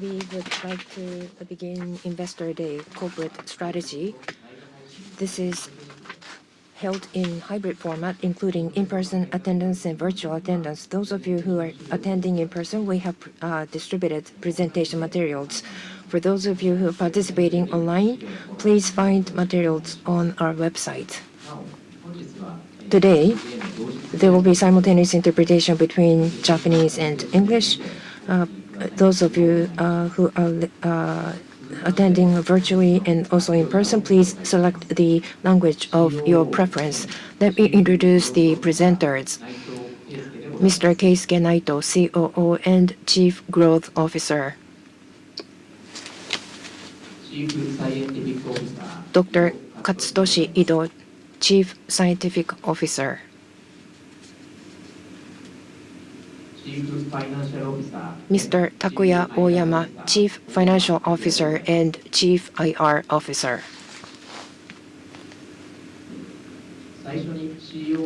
We would like to begin Investor Day corporate strategy. This is held in hybrid format, including in-person attendance and virtual attendance. Those of you who are attending in person, we have distributed presentation materials. For those of you who are participating online, please find materials on our website. Today, there will be simultaneous interpretation between Japanese and English. Those of you who are attending virtually and also in person, please select the language of your preference. Let me introduce the presenters. Mr. Keisuke Naito, COO and Chief Growth Officer. Dr. Katsutoshi Ido, Chief Scientific Officer. Mr. Takuya Oyama, Chief Financial Officer and Chief IR Officer.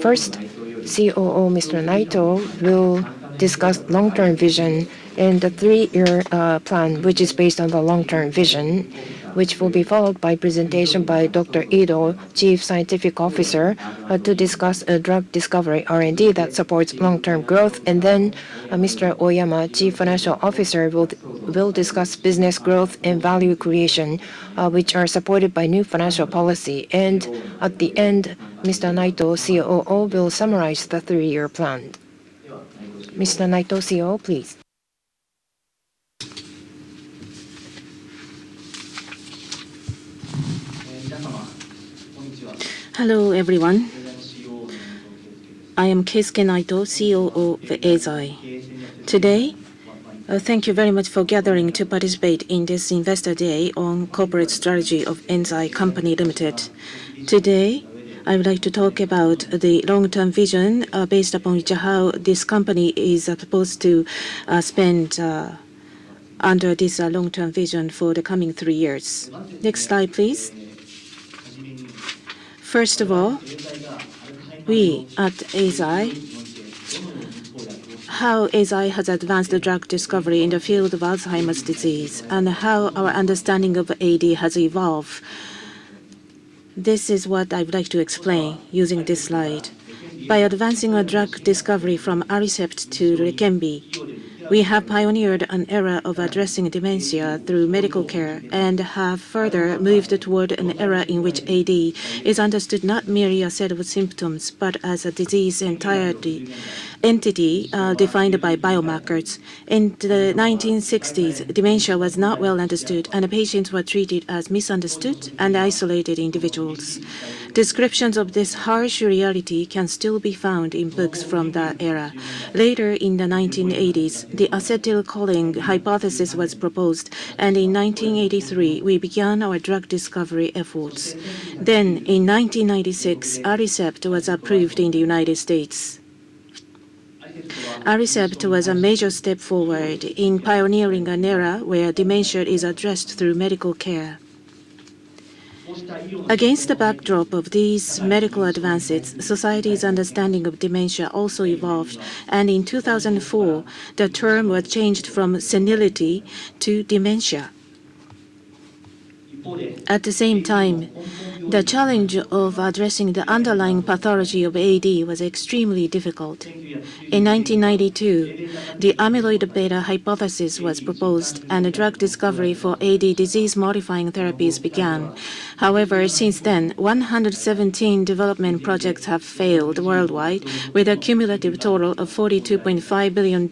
First, COO, Mr. Naito, will discuss long-term vision and the 3-year plan, which is based on the long-term vision, which will be followed by presentation by Dr. Ido, Chief Scientific Officer, to discuss a drug discovery R&D that supports long-term growth. Mr. Oyama, Chief Financial Officer, will discuss business growth and value creation, which are supported by new financial policy. At the end, Mr. Naito, COO, will summarize the three-year plan. Mr. Naito, COO, please. Hello, everyone. I am Keisuke Naito, COO for Eisai. Thank you very much for gathering to participate in this Investor Day on corporate strategy of Eisai Company Limited. Today, I'd like to talk about the long-term vision based upon how this company is supposed to spend under this long-term vision for the coming three years. Next slide, please. First of all, we at Eisai, how Eisai has advanced the drug discovery in the field of Alzheimer's disease and how our understanding of AD has evolved. This is what I'd like to explain using this slide. By advancing the drug discovery from Aricept to LEQEMBI, we have pioneered an era of addressing dementia through medical care and have further moved toward an era in which AD is understood not merely a set of symptoms, but as a disease entity defined by biomarkers. In the 1960s, dementia was not well understood, and patients were treated as misunderstood and isolated individuals. Descriptions of this harsh reality can still be found in books from that era. Later in the 1980s, the acetylcholine hypothesis was proposed, and in 1983, we began our drug discovery efforts. In 1996, Aricept was approved in the United States. Aricept was a major step forward in pioneering an era where dementia is addressed through medical care. Against the backdrop of these medical advances, society's understanding of dementia also evolved, and in 2004, the term was changed from senility to dementia. At the same time, the challenge of addressing the underlying pathology of AD was extremely difficult. In 1992, the amyloid beta hypothesis was proposed, and a drug discovery for AD disease-modifying therapies began. However, since then, 117 development projects have failed worldwide, with a cumulative total of $42.5 billion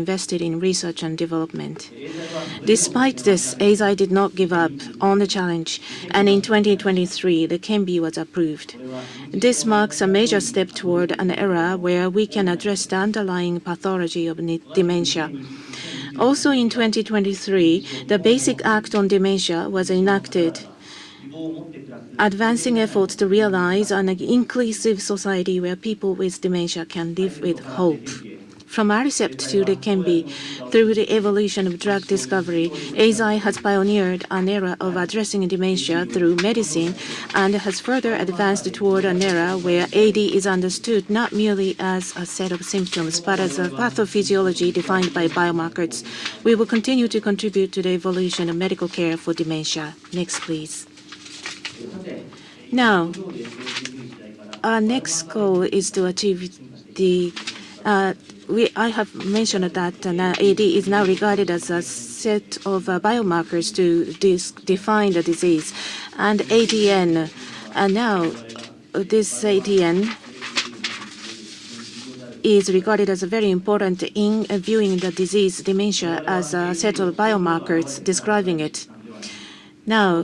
invested in research and development. Despite this, Eisai did not give up on the challenge, and in 2023, LEQEMBI was approved. This marks a major step toward an era where we can address the underlying pathology of dementia. Also, in 2023, the Basic Act on Dementia was enacted, advancing efforts to realize an inclusive society where people with dementia can live with hope. From Aricept to LEQEMBI, through the evolution of drug discovery, Eisai has pioneered an era of addressing dementia through medicine and has further advanced toward an era where AD is understood not merely as a set of symptoms, but as a pathophysiology defined by biomarkers. We will continue to contribute to the evolution of medical care for dementia. Next, please. Now, I have mentioned that AD is now regarded as a set of biomarkers to define the disease and ATN. Now this ATN is regarded as very important in viewing the disease dementia as a set of biomarkers describing it. Now,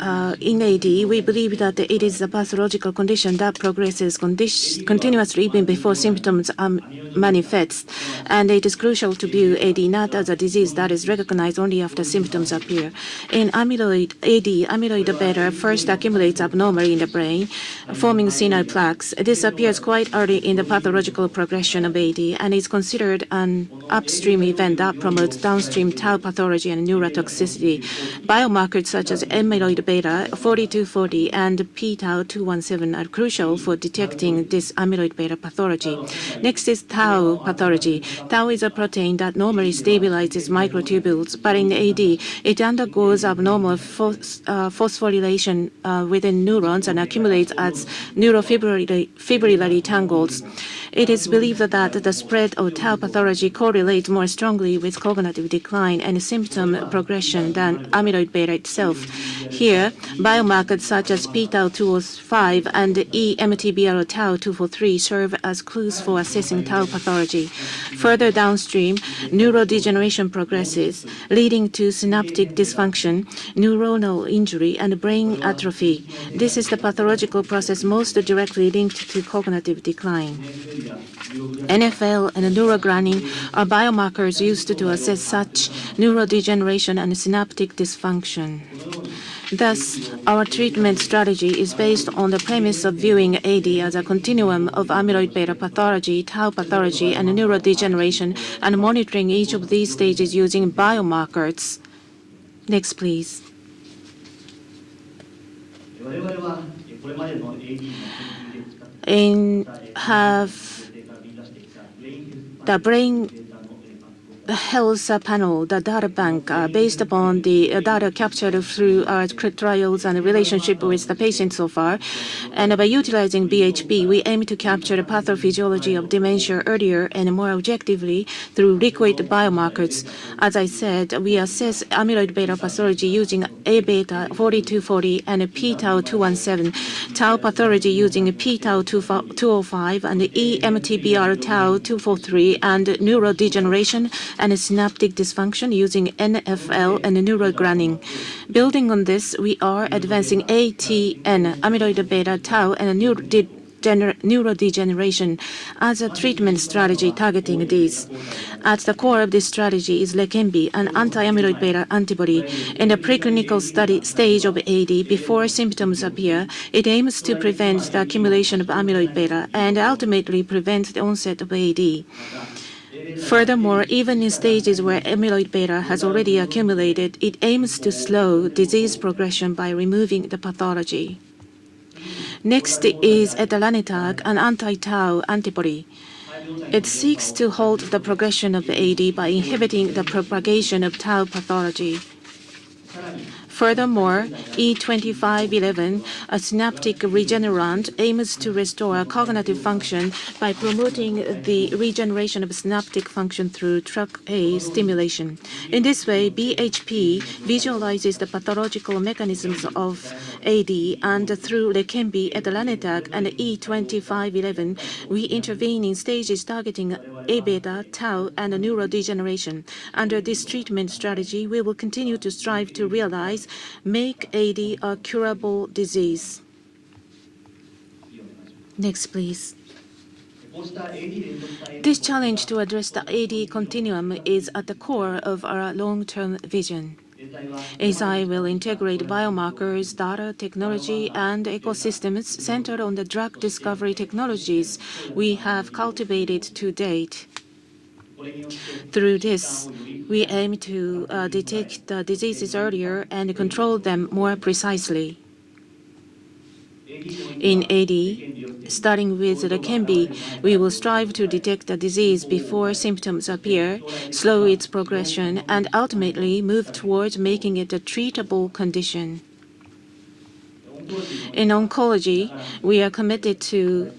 in AD, we believe that it is a pathological condition that progresses continuously even before symptoms manifest, and it is crucial to view AD not as a disease that is recognized only after symptoms appear. In AD, amyloid beta first accumulates abnormally in the brain, forming senile plaques. This appears quite early in the pathological progression of AD and is considered an upstream event that promotes downstream tau pathology and neurotoxicity. Biomarkers such as amyloid beta 42/40 and p-tau217 are crucial for detecting this amyloid beta pathology. Next is tau pathology. Tau is a protein that normally stabilizes microtubules, but in AD, it undergoes abnormal phosphorylation within neurons and accumulates as neurofibrillary tangles. It is believed that the spread of tau pathology correlates more strongly with cognitive decline and symptom progression than amyloid beta itself. Here, biomarkers such as p-tau205 and eMTBR-tau243 serve as clues for assessing tau pathology. Further downstream, neurodegeneration progresses, leading to synaptic dysfunction, neuronal injury, and brain atrophy. This is the pathological process most directly linked to cognitive decline. NfL and neurogranin are biomarkers used to assess such neurodegeneration and synaptic dysfunction. Thus, our treatment strategy is based on the premise of viewing AD as a continuum of amyloid beta pathology, tau pathology, and neurodegeneration, and monitoring each of these stages using biomarkers. Next, please. The Brain Health Panel, the data bank, based upon the data captured through our trials and relationship with the patient so far. By utilizing the BHP, we aim to capture the pathophysiology of dementia earlier and more objectively through liquid biomarkers. As I said, we assess amyloid beta pathology using amyloid beta 42/40 and p-tau217, tau pathology using p-tau205 and eMTBR-tau243, and neurodegeneration and synaptic dysfunction using NfL and neurogranin. Building on this, we are advancing ATN, amyloid beta, tau, and neurodegeneration as a treatment strategy targeting these. At the core of this strategy is LEQEMBI, an anti-amyloid beta antibody. In the preclinical study stage of AD, before symptoms appear, it aims to prevent the accumulation of amyloid beta and ultimately prevent the onset of AD. Furthermore, even in stages where amyloid beta has already accumulated, it aims to slow disease progression by removing the pathology. Next is etalanetug, an anti-tau antibody. It seeks to halt the progression of AD by inhibiting the propagation of tau pathology. Furthermore, E2511, a synaptic regenerant, aims to restore cognitive function by promoting the regeneration of synaptic function through TrkA stimulation. In this way, BHP visualizes the pathological mechanisms of AD, and through LEQEMBI, etalanetug, and E2511, we intervene in stages targeting A-beta, tau, and neurodegeneration. Under this treatment strategy, we will continue to strive to realize and make AD a curable disease. Next, please. This challenge to address the AD continuum is at the core of our long-term vision. Eisai will integrate biomarkers, data technology, and ecosystems centered on the drug discovery technologies we have cultivated to date. Through this, we aim to detect the diseases earlier and control them more precisely. In AD, starting with LEQEMBI, we will strive to detect the disease before symptoms appear, slow its progression, and ultimately move towards making it a treatable condition. In oncology, we are committed to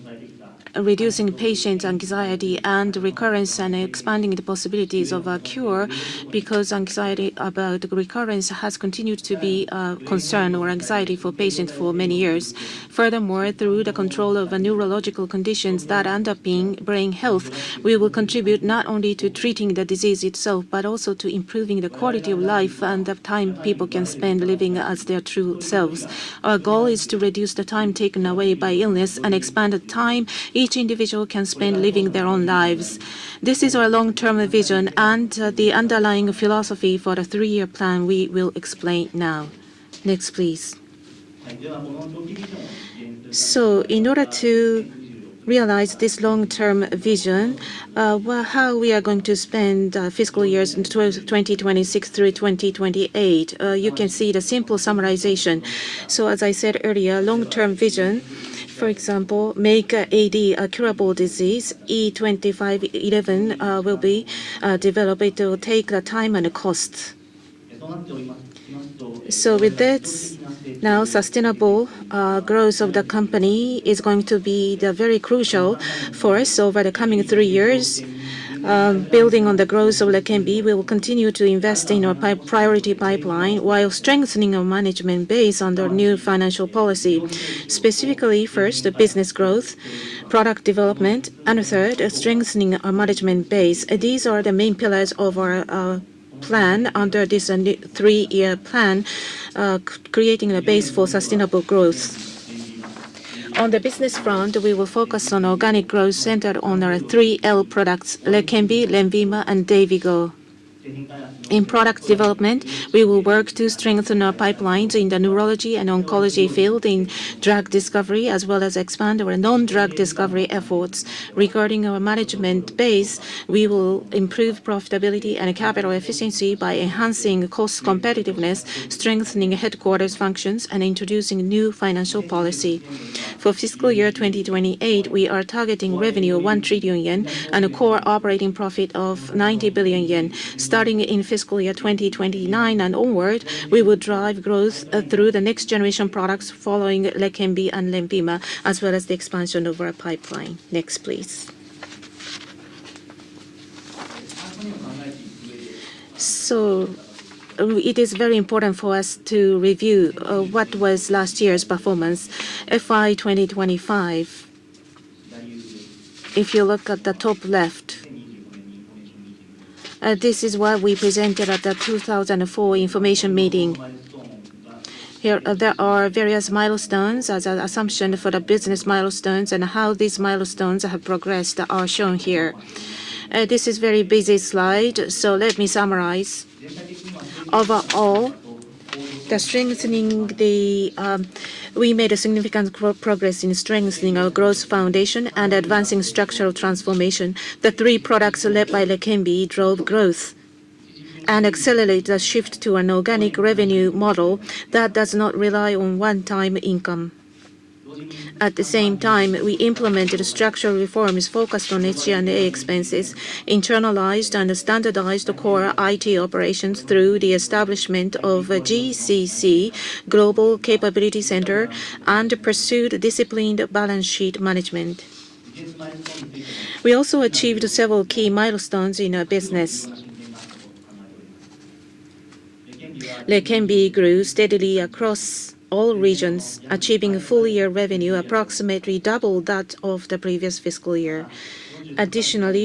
reducing patient anxiety and recurrence and expanding the possibilities of a cure because anxiety about recurrence has continued to be a concern or anxiety for patients for many years. Furthermore, through the control of neurological conditions that end up being brain health, we will contribute not only to treating the disease itself but also to improving the quality of life and the time people can spend living as their true selves. Our goal is to reduce the time taken away by illness and expand the time each individual can spend living their own lives. This is our long-term vision and the underlying philosophy for the three-year plan we will explain now. Next, please. In order to realize this long-term vision, how we are going to spend fiscal years 2026-2028. You can see the simple summarization. As I said earlier, long-term vision, for example, make AD a curable disease. E2511 will be developed. It will take time and cost. With that, now sustainable growth of the company is going to be very crucial for us over the coming three years. Building on the growth of LEQEMBI, we will continue to invest in our priority pipeline while strengthening our management base under new financial policy. First, the business growth, product development, and third, strengthening our management base. These are the main pillars of our plan under this three-year plan, creating a base for sustainable growth. On the business front, we will focus on organic growth centered on our three L products: LEQEMBI, LENVIMA, and DAYVIGO. In product development, we will work to strengthen our pipeline in the neurology and oncology field in drug discovery, as well as expand our non-drug discovery efforts. Regarding our management base, we will improve profitability and capital efficiency by enhancing cost competitiveness, strengthening headquarters functions, and introducing new financial policy. For fiscal year 2028, we are targeting revenue of 1 trillion yen and a core operating profit of 90 billion yen. Starting in fiscal year 2029 and onwards, we will drive growth through the next-generation products following LEQEMBI and LENVIMA, as well as the expansion of our pipeline. Next, please. It is very important for us to review what was last year's performance, FY 2025. If you look at the top left, this is what we presented at the 2004 information meeting. There are various milestones. An assumption for the business milestones and how these milestones have progressed are shown here. This is a very busy slide, so let me summarize. Overall, we made significant progress in strengthening our growth foundation and advancing structural transformation. The three products led by LEQEMBI drove growth and accelerated a shift to an organic revenue model that does not rely on one-time income. At the same time, we implemented structural reforms focused on R&D expenses, internalized and standardized core IT operations through the establishment of a GCC, Global Capability Centre, and pursued disciplined balance sheet management. We also achieved several key milestones in our business. LEQEMBI grew steadily across all regions, achieving full-year revenue approximately double that of the previous fiscal year.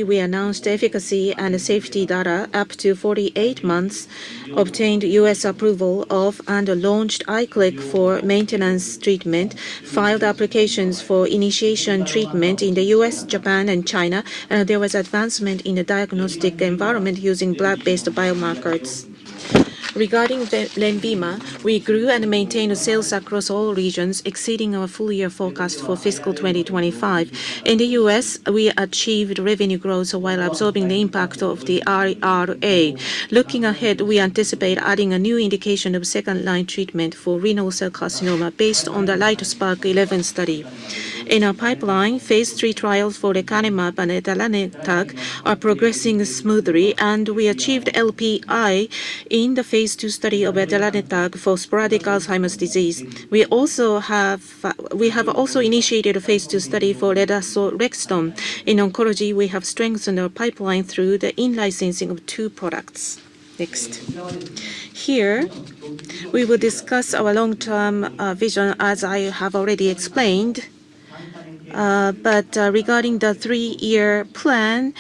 We announced efficacy and safety data up to 48 months, obtained U.S. approval of and launched IQLIK for maintenance treatment, filed applications for initiation treatment in the U.S., Japan, and China, and there was advancement in the diagnostic environment using blood-based biomarkers. Regarding LENVIMA, we grew and maintained sales across all regions, exceeding our full-year forecast for FY 2025. In the U.S., we achieved revenue growth while absorbing the impact of the IRA. Looking ahead, we anticipate adding a new indication of second-line treatment for renal cell carcinoma based on the LITESPARK-011 study. In our pipeline, phase III trials for lecanemab and etalanetug are progressing smoothly, and we achieved LPI in the phase II study of etalanetug for sporadic Alzheimer's disease. We have also initiated a phase II study for lemborexant. In oncology, we have strengthened our pipeline through the in-licensing of two products. Next. Here, we will discuss our long-term vision, as I have already explained. Regarding the three-year plan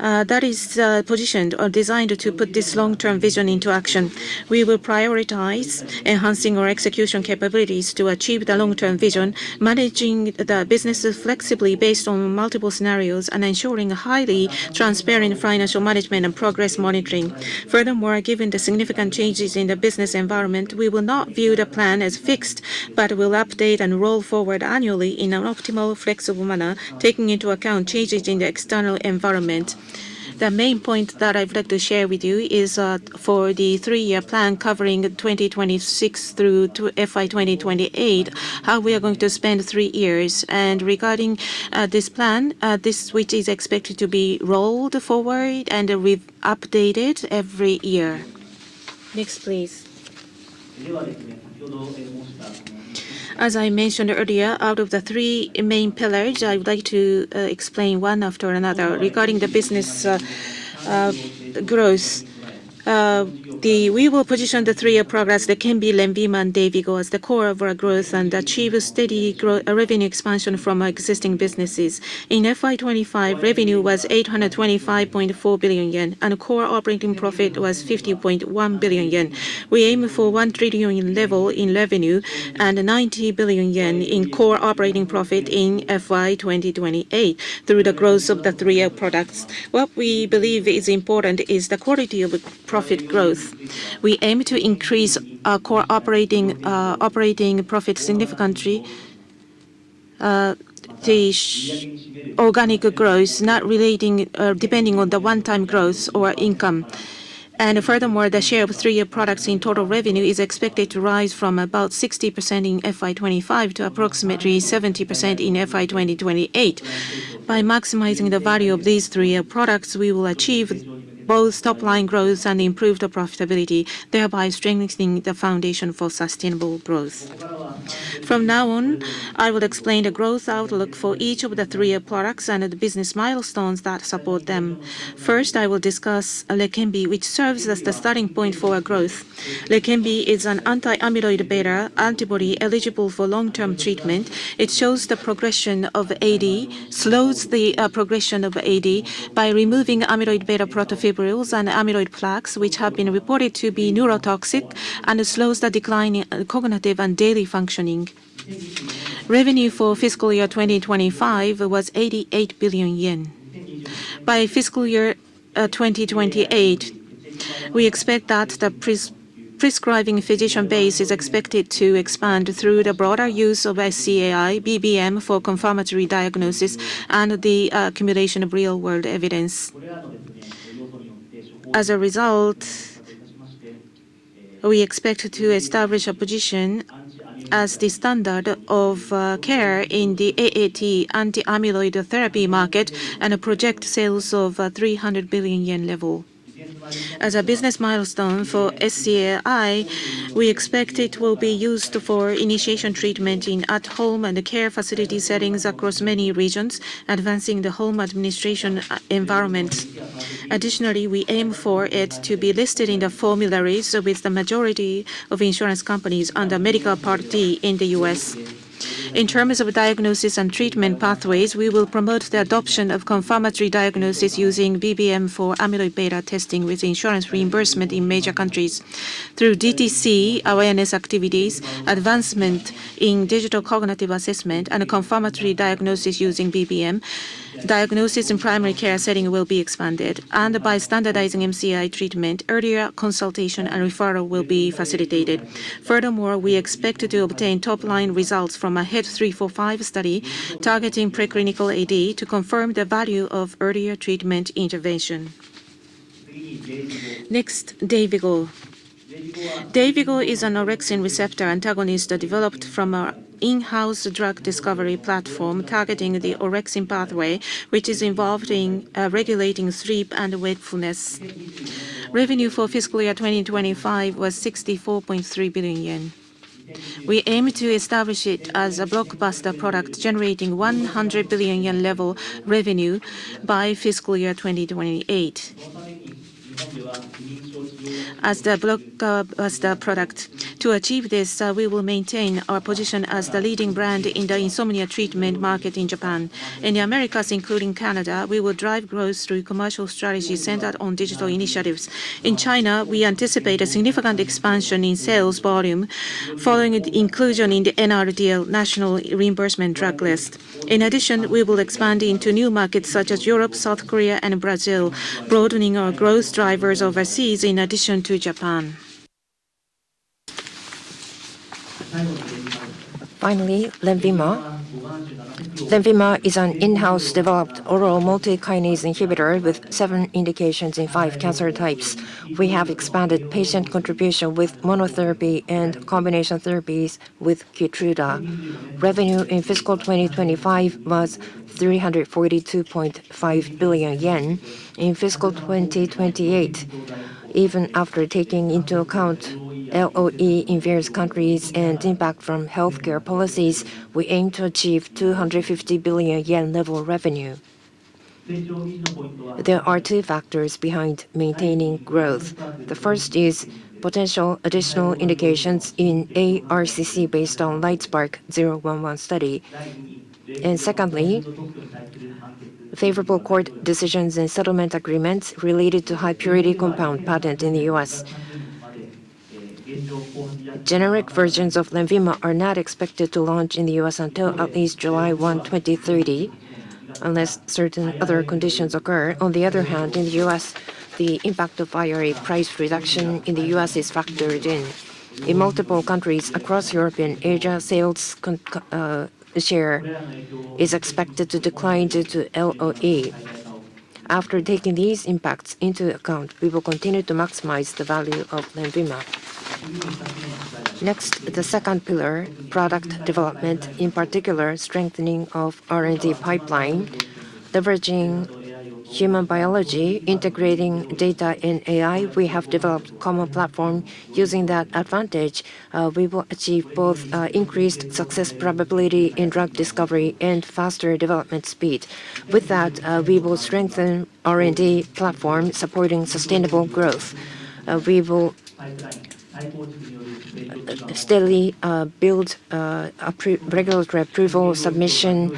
that is positioned or designed to put this long-term vision into action. We will prioritize enhancing our execution capabilities to achieve the long-term vision, managing the businesses flexibly based on multiple scenarios, and ensuring highly transparent financial management and progress monitoring. Furthermore, given the significant changes in the business environment, we will not view the plan as fixed, but will update and roll forward annually in an optimal flexible manner, taking into account changes in the external environment. The main point that I'd like to share with you is for the three-year plan covering 2026 through to FY 2028, how we are going to spend hree years. Regarding this plan, which is expected to be rolled forward and updated every year. Next, please. As I mentioned earlier, out of the three main pillars, I'd like to explain one after another. Regarding the business growth, we will position the three products, LEQEMBI, LENVIMA, and DAYVIGO, as the core of our growth and achieve steady revenue expansion from our existing businesses. In FY 2025, revenue was 825.4 billion yen, and core operating profit was 50.1 billion yen. We aim for 1 trillion yen level in revenue and 90 billion yen in core operating profit in FY 2028 through the growth of the three products. What we believe is important is the quality of profit growth. We aim to increase our core operating profit significantly. Organic growth, not depending on the one-time growth or income. Furthermore, the share of three products in total revenue is expected to rise from about 60% in FY 2025 to approximately 70% in FY 2028. By maximizing the value of these three products, we will achieve both top-line growth and improved profitability, thereby strengthening the foundation for sustainable growth. From now on, I will explain the growth outlook for each of the three products and the business milestones that support them. First, I will discuss LEQEMBI, which serves as the starting point for our growth. LEQEMBI is an anti-amyloid beta antibody eligible for long-term treatment. It slows the progression of AD by removing amyloid beta protofibrils and amyloid plaques, which have been reported to be neurotoxic, and slows the decline in cognitive and daily functioning. Revenue for fiscal year 2025 was 88 billion yen. By fiscal year 2028, we expect that the prescribing physician base is expected to expand through the broader use of SC-AI BBM for confirmatory diagnosis and the accumulation of real-world evidence. As a result, we expect to establish a position as the standard of care in the AAT, anti-amyloid therapy market, and a project sales of 300 billion yen level. As a business milestone for SC-AI, we expect it will be used for initiation treatment in at home and care facility settings across many regions, advancing the home administration environment. Additionally, we aim for it to be listed in the formularies with the majority of insurance companies under Medicare Part D in the U.S. In terms of diagnosis and treatment pathways, we will promote the adoption of confirmatory diagnosis using BBM for amyloid beta testing with insurance reimbursement in major countries. Through DTC awareness activities, advancement in digital cognitive assessment, and confirmatory diagnosis using BBM, diagnosis in primary care setting will be expanded, and by standardizing MCI treatment, earlier consultation and referral will be facilitated. We expect to obtain top-line results from a AHEAD 3-45 study targeting preclinical AD to confirm the value of earlier treatment intervention. Next, DAYVIGO. DAYVIGO is an orexin receptor antagonist developed from an in-house drug discovery platform targeting the orexin pathway, which is involved in regulating sleep and wakefulness. Revenue for fiscal year 2025 was 64.3 billion yen. We aim to establish it as a blockbuster product, generating 100 billion yen level revenue by fiscal year 2028. As the blockbuster product. To achieve this, we will maintain our position as the leading brand in the insomnia treatment market in Japan. In the Americas, including Canada, we will drive growth through commercial strategies centered on digital initiatives. In China, we anticipate a significant expansion in sales volume following inclusion in the NRDL, National Reimbursement Drug List. In addition, we will expand into new markets such as Europe, South Korea, and Brazil, broadening our growth drivers overseas in addition to Japan. Finally, LENVIMA. LENVIMA is an in-house developed oral multi-kinase inhibitor with seven indications in five cancer types. We have expanded patient contribution with monotherapy and combination therapies with KEYTRUDA. Revenue in fiscal 2025 was 342.5 billion yen. In fiscal 2028, even after taking into account LOE in various countries and impact from healthcare policies, we aim to achieve 250 billion yen level revenue. There are two factors behind maintaining growth. The first is potential additional indications in advanced RCC based on LITESPARK-011 study. Secondly, favorable court decisions and settlement agreements related to high purity compound patent in the U.S. Generic versions of LENVIMA are not expected to launch in the U.S. until at least July 1, 2030, unless certain other conditions occur. On the other hand, in the U.S., the impact of IRA price reduction in the U.S. is factored in. In multiple countries across Europe and Asia, sales share is expected to decline due to LOE. After taking these impacts into account, we will continue to maximize the value of LENVIMA. Next, the second pillar, product development, in particular, strengthening of R&D pipeline. Leveraging human biology, integrating data in AI, we have developed common platform. Using that advantage, we will achieve both increased success probability in drug discovery and faster development speed. With that, we will strengthen R&D platform supporting sustainable growth. We will steadily build regulatory approval submission,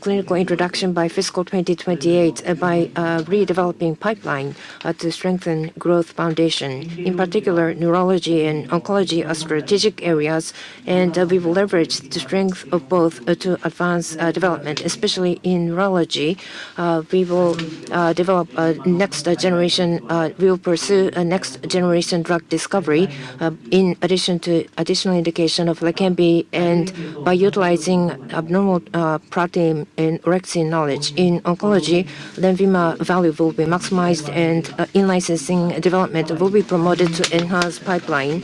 clinical introduction by fiscal 2028 by redeveloping pipeline to strengthen growth foundation. In particular, neurology and oncology are strategic areas, and we will leverage the strength of both to advance development. Especially in neurology, we will pursue a next-generation drug discovery in additional indication of LEQEMBI and by utilizing abnormal protein and orexin knowledge. In oncology, LENVIMA value will be maximized, and in-licensing development will be promoted to enhance pipeline.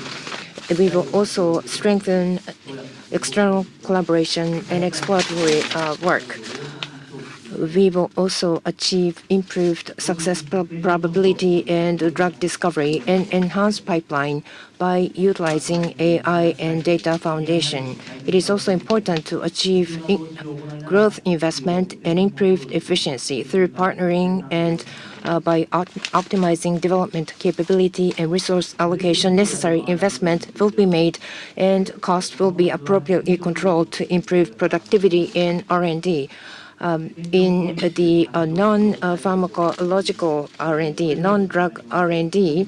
We will also strengthen external collaboration and exploratory work. We will also achieve improved success probability in drug discovery and enhance pipeline by utilizing AI and data foundation. It is also important to achieve growth investment and improved efficiency. Through partnering and by optimizing development capability and resource allocation, necessary investment will be made, and cost will be appropriately controlled to improve productivity in R&D. In the non-pharmacological R&D, non-drug R&D,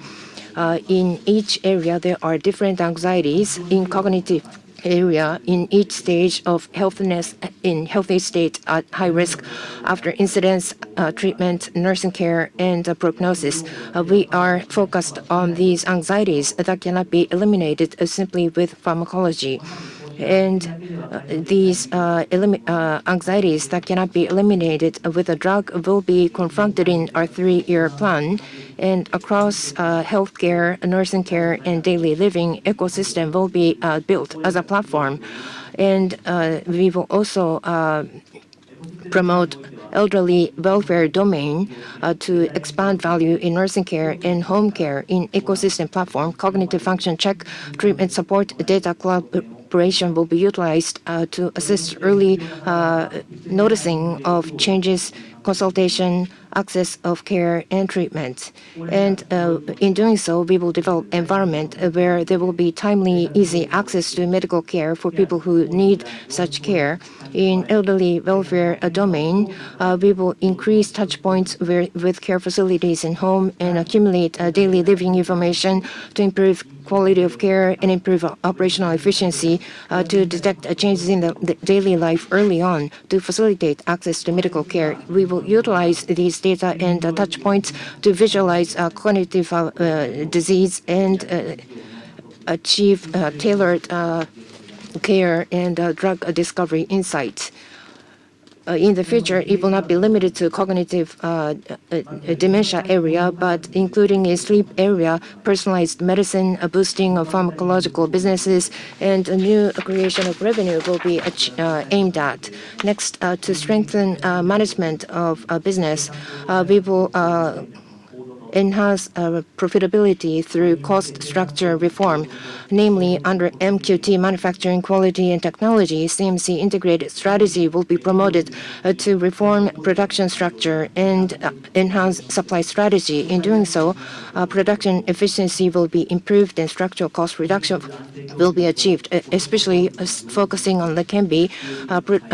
in each area, there are different anxieties. In cognitive area, in each stage of healthiness in healthy state at high risk. After incidence, treatment, nursing care, and prognosis. We are focused on these anxieties that cannot be eliminated simply with pharmacology. These anxieties that cannot be eliminated with a drug will be confronted in our three-year plan. Across healthcare, nursing care, and daily living, ecosystem will be built as a platform. Promote elderly welfare domain to expand value in nursing care and home care. In ecosystem platform, cognitive function check, treatment support, data collaboration will be utilized to assist early noticing of changes, consultation, access of care, and treatments. In doing so, we will develop environment where there will be timely, easy access to medical care for people who need such care. In elderly welfare domain, we will increase touchpoints with care facilities and home and accumulate daily living information to improve quality of care and improve operational efficiency to detect changes in daily life early on to facilitate access to medical care. We will utilize these data and touchpoints to visualize quality of disease and achieve tailored care and drug discovery insights. In the future, it will not be limited to cognitive dementia area, but including sleep area, personalized medicine, boosting pharmacological businesses, and new creation of revenue will be aimed at. Next, to strengthen management of business, we will enhance profitability through cost structure reform. Namely, under MQT, manufacturing quality and technology, CMC integrated strategy will be promoted to reform production structure and enhance supply strategy. In doing so, production efficiency will be improved, and structural cost reduction will be achieved, especially focusing on LEQEMBI.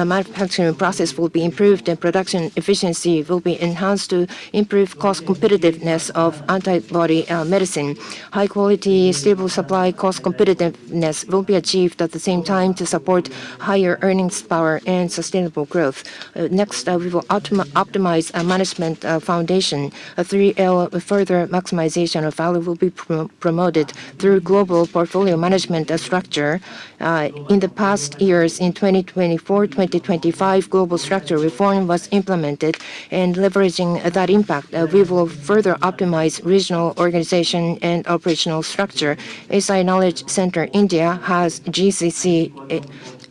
Manufacturing process will be improved, and production efficiency will be enhanced to improve cost competitiveness of antibody medicine. High quality, stable supply, cost competitiveness will be achieved at the same time to support higher earnings power and sustainable growth. Next, we will optimize management foundation. Three L, further maximization of value will be promoted through global portfolio management structure. In the past years, in 2024, 2025, global structure reform was implemented. In leveraging that impact, we will further optimize regional organization and operational structure. Eisai Knowledge Centre, India has GCC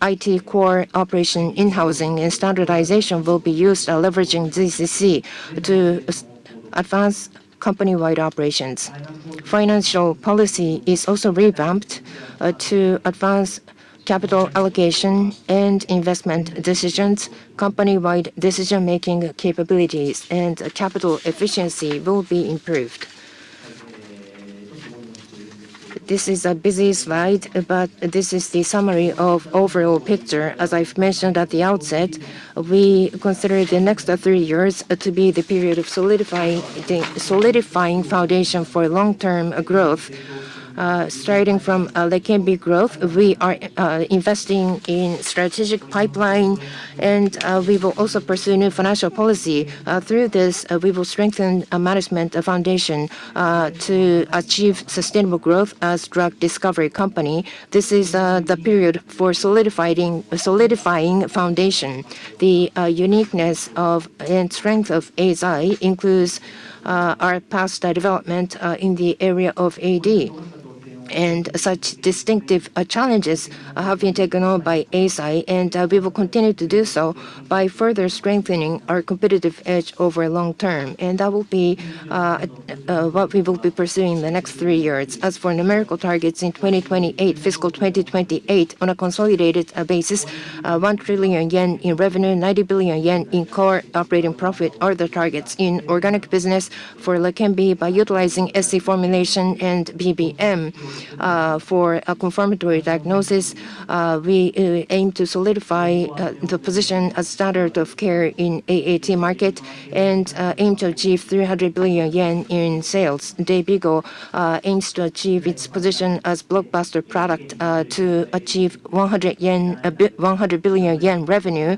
IT core operation in-housing. Standardization will be used, leveraging GCC to advance company-wide operations. Financial policy is also revamped to advance capital allocation and investment decisions. Company-wide decision-making capabilities and capital efficiency will be improved. This is a busy slide. This is the summary of overall picture. As I've mentioned at the outset, we consider the next three years to be the period of solidifying foundation for long-term growth. Starting from LEQEMBI growth, we are investing in strategic pipeline. We will also pursue new financial policy. Through this, we will strengthen management foundation to achieve sustainable growth as drug discovery company. This is the period for solidifying foundation. The uniqueness of and strength of Eisai includes our past development in the area of AD. Such distinctive challenges have been taken on by Eisai, and we will continue to do so by further strengthening our competitive edge over long term. That will be what we will be pursuing the next three years. As for numerical targets in fiscal 2028, on a consolidated basis, 1 trillion yen in revenue, 90 billion yen in core operating profit are the targets. In organic business for LEQEMBI, by utilizing SC formulation and BBM for confirmatory diagnosis, we aim to solidify the position as standard of care in AD market and aim to achieve 300 billion yen in sales. DAYVIGO aims to achieve its position as blockbuster product to achieve 100 billion yen revenue.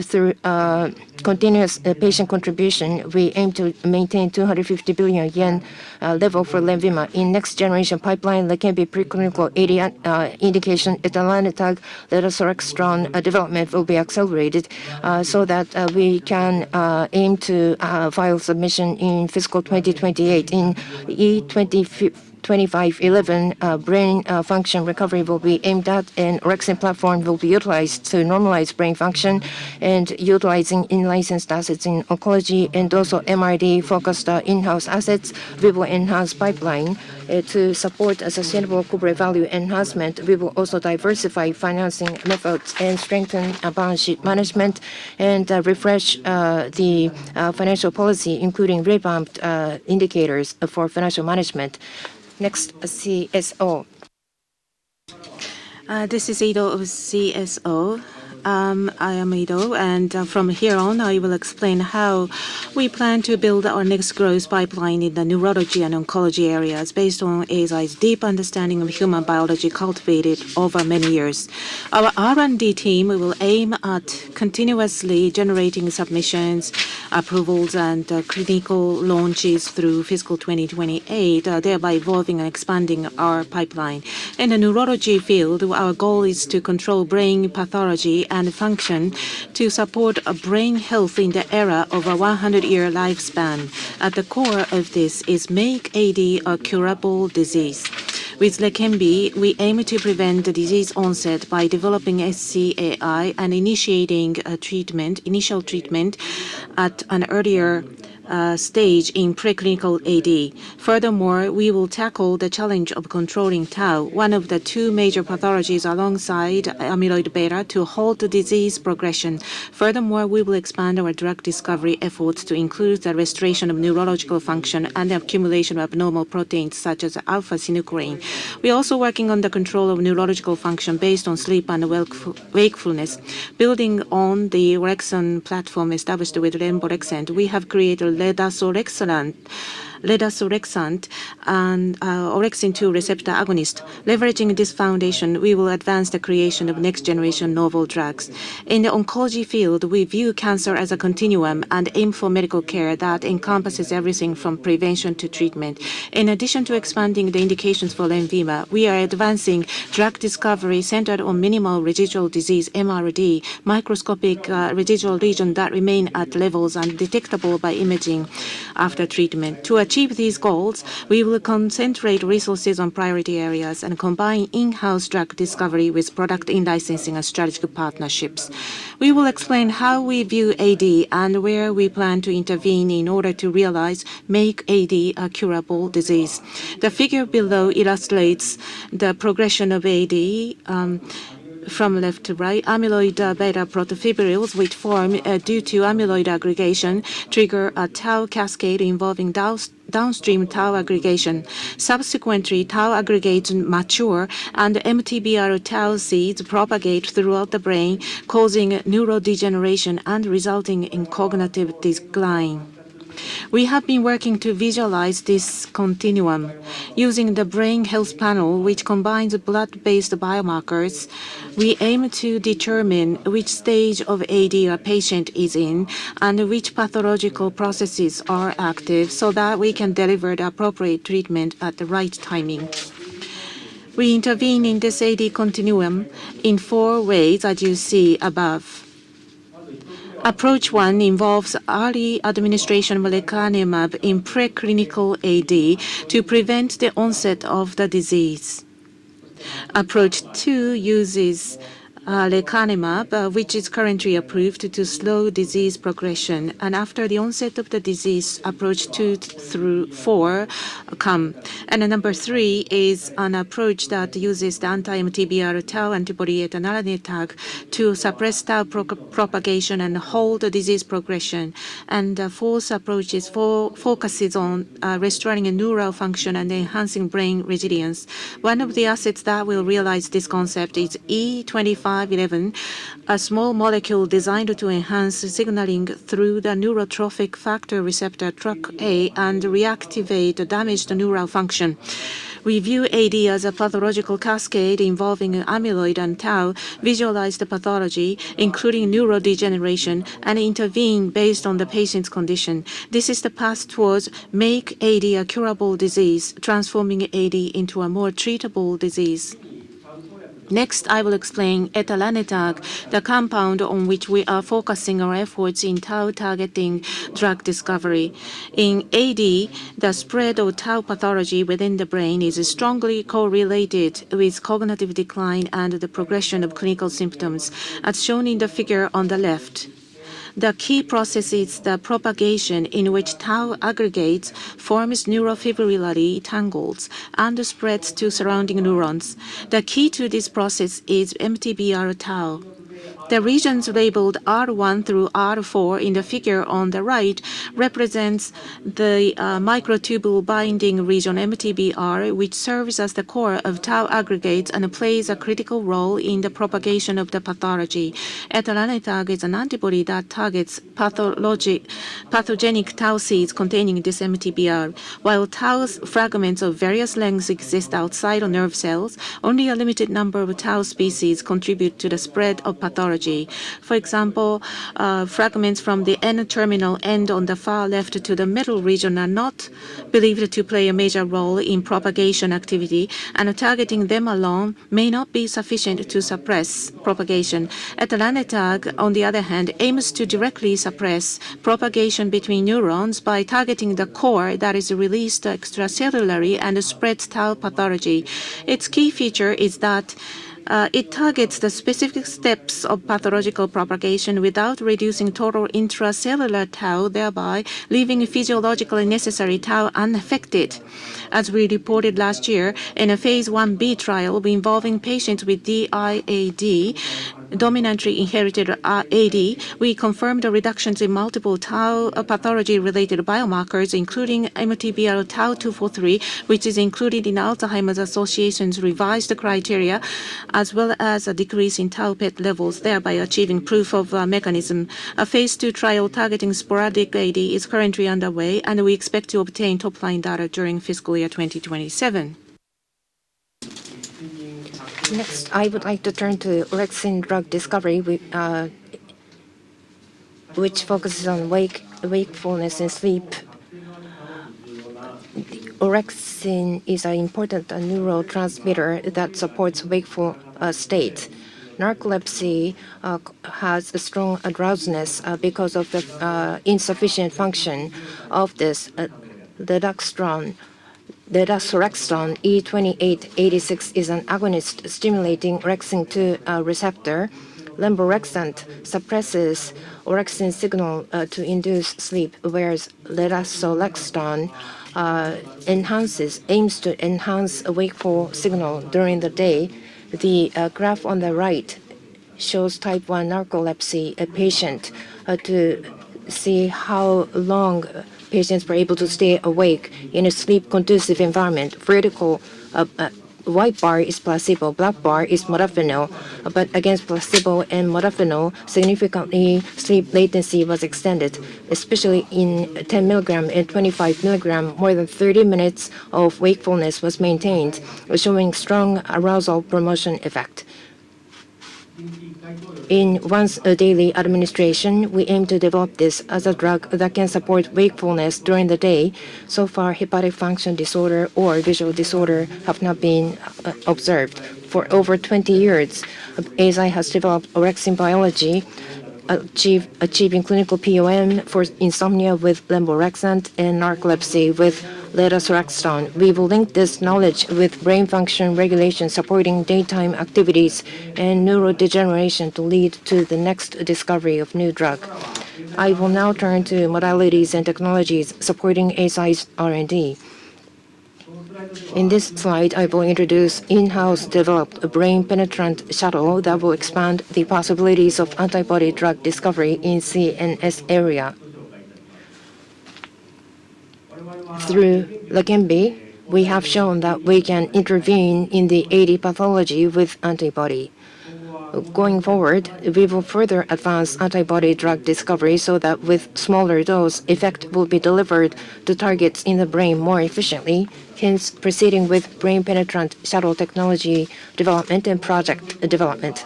Through continuous patient contribution, we aim to maintain 250 billion yen level for LENVIMA. In next generation pipeline, LEQEMBI preclinical AD indication, etalanetug, ledasorexton, strong development will be accelerated so that we can aim to file submission in fiscal 2028. In E2511, brain function recovery will be aimed at. Orexin platform will be utilized to normalize brain function. Utilizing in-licensed assets in oncology and also MRD focused in-house assets, we will enhance pipeline. To support a sustainable corporate value enhancement, we will also diversify financing methods and strengthen our balance sheet management and refresh the financial policy, including revamped indicators for financial management. Next, CSO. This is Ido, CSO. I am Ido, and from here on, I will explain how we plan to build our next growth pipeline in the neurology and oncology areas based on Eisai's deep understanding of human biology cultivated over many years. Our R&D team will aim at continuously generating submissions, approvals, and clinical launches through fiscal 2028, thereby evolving and expanding our pipeline. In the neurology field, our goal is to control brain pathology and function to support brain health in the era of a 100-year lifespan. At the core of this is Make AD a Curable Disease. With LEQEMBI, we aim to prevent the disease onset by developing SC-AI and initiating initial treatment at an earlier stage in preclinical AD. Furthermore, we will tackle the challenge of controlling tau, one of the two major pathologies alongside amyloid beta, to halt the disease progression. Furthermore, we will expand our drug discovery efforts to include the restoration of neurological function and accumulation of abnormal proteins such as alpha-synuclein. We are also working on the control of neurological function based on sleep and wakefulness. Building on the orexin platform established with lemborexant, we have created ledasorexton, an orexin 2 receptor agonist. Leveraging this foundation, we will advance the creation of next-generation novel drugs. In the oncology field, we view cancer as a continuum and aim for medical care that encompasses everything from prevention to treatment. In addition to expanding the indications for LENVIMA, we are advancing drug discovery centered on minimal residual disease, MRD, microscopic residual lesions that remain at levels undetectable by imaging after treatment. To achieve these goals, we will concentrate resources on priority areas and combine in-house drug discovery with product in-licensing and strategic partnerships. We will explain how we view AD and where we plan to intervene in order to realize Make AD a Curable Disease. The figure below illustrates the progression of AD from left to right. Amyloid beta protofibrils, which form due to amyloid aggregation, trigger a tau cascade involving downstream tau aggregation. Subsequently, tau aggregates mature, and MTBR-tau seeds propagate throughout the brain, causing neurodegeneration and resulting in cognitive decline. We have been working to visualize this continuum. Using the brain health panel, which combines blood-based biomarkers, we aim to determine which stage of AD a patient is in and which pathological processes are active so that we can deliver the appropriate treatment at the right timing. We intervene in this AD continuum in four ways, as you see above. Approach one involves early administration of lecanemab in preclinical AD to prevent the onset of the disease. Approach two uses lecanemab, which is currently approved to slow disease progression. After the onset of the disease, approach two through four come. Number three is an approach that uses the anti-MTBR-tau antibody etalanetug to suppress tau propagation and halt the disease progression. The fourth approach focuses on restoring neural function and enhancing brain resilience. One of the assets that will realize this concept is E2511, a small molecule designed to enhance signaling through the neurotrophic factor receptor TrkA and reactivate the damaged neural function. We view AD as a pathological cascade involving amyloid and tau, visualize the pathology, including neurodegeneration, and intervene based on the patient's condition. This is the path towards Make AD a Curable Disease, transforming AD into a more treatable disease. Next, I will explain etalanetug, the compound on which we are focusing our efforts in tau-targeting drug discovery. In AD, the spread of tau pathology within the brain is strongly correlated with cognitive decline and the progression of clinical symptoms, as shown in the figure on the left. The key process is the propagation in which tau aggregates, forms neurofibrillary tangles, and spreads to surrounding neurons. The key to this process is MTBR-tau. The regions labeled R1 through R4 in the figure on the right represent the microtubule binding region, MTBR, which serves as the core of tau aggregates and plays a critical role in the propagation of the pathology. etalanetug is an antibody that targets pathogenic tau seeds containing this MTBR. While tau fragments of various lengths exist outside of nerve cells, only a limited number of tau species contribute to the spread of pathology. For example, fragments from the N-terminal end on the far left to the middle region are not believed to play a major role in propagation activity, and targeting them alone may not be sufficient to suppress propagation. etalanetug, on the other hand, aims to directly suppress propagation between neurons by targeting the core that is released extracellularly and spreads tau pathology. Its key feature is that it targets the specific steps of pathological propagation without reducing total intracellular tau, thereby leaving physiologically necessary tau unaffected. As we reported last year, in a phase I-B trial involving patients with DIAD, dominantly inherited AD, we confirmed the reductions in multiple tau pathology-related biomarkers, including eMTBR-tau243, which is included in Alzheimer's Association's revised criteria, as well as a decrease in tau PET levels, thereby achieving proof of mechanism. A phase II trial targeting sporadic AD is currently underway, and we expect to obtain top-line data during fiscal year 2027. I would like to turn to the orexin drug discovery, which focuses on wakefulness and sleep. Orexin is an important neurotransmitter that supports wakeful state. Narcolepsy has a strong drowsiness because of the insufficient function of this. Ledasorexton E2086 is an agonist stimulating orexin 2 receptor. Lemborexant suppresses orexin signal to induce sleep, whereas ledasorexton aims to enhance awakeful signal during the day. The graph on the right shows type 1 narcolepsy patient to see how long patients were able to stay awake in a sleep-conducive environment. Vertical white bar is placebo, black bar is modafinil. Against placebo and modafinil, significant sleep latency was extended, especially in 10 mg and 25 mg, more than 30 minutes of wakefulness was maintained, showing strong arousal promotion effect. In once daily administration, we aim to develop this as a drug that can support wakefulness during the day. Far, hepatic function disorder or visual disorder have not been observed. For over 20 years, Eisai has developed orexin biology, achieving clinical PoM for insomnia with suvorexant and narcolepsy with ledasorexton. We will link this knowledge with brain function regulation, supporting daytime activities and neurodegeneration to lead to the next discovery of new drug. I will now turn to modalities and technologies supporting Eisai's R&D. In this slide, I will introduce in-house developed brain penetrant shuttle that will expand the possibilities of antibody drug discovery in CNS area. Through LEQEMBI, we have shown that we can intervene in the AD pathology with antibody. Going forward, we will further advance antibody drug discovery so that with smaller dose, effect will be delivered to targets in the brain more efficiently, hence proceeding with brain penetrant shuttle technology development and project development.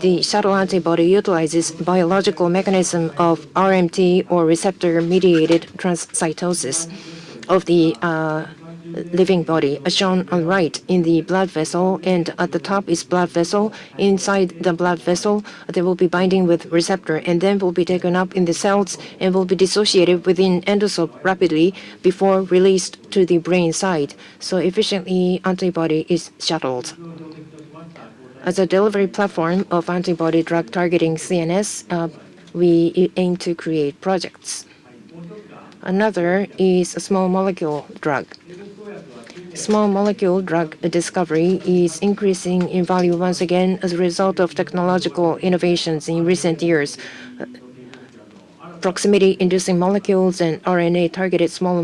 The shuttle antibody utilizes biological mechanism of RMT or receptor-mediated transcytosis of the living body, as shown on right in the blood vessel, and at the top is blood vessel. Inside the blood vessel, they will be binding with receptor and then will be taken up in the cells and will be dissociated within endosome rapidly before released to the brain side. Efficiently antibody is shuttled. As a delivery platform of antibody drug targeting CNS, we aim to create projects. Another is a small molecule drug. Small molecule drug discovery is increasing in value once again as a result of technological innovations in recent years. Proximity-inducing molecules and RNA-targeted small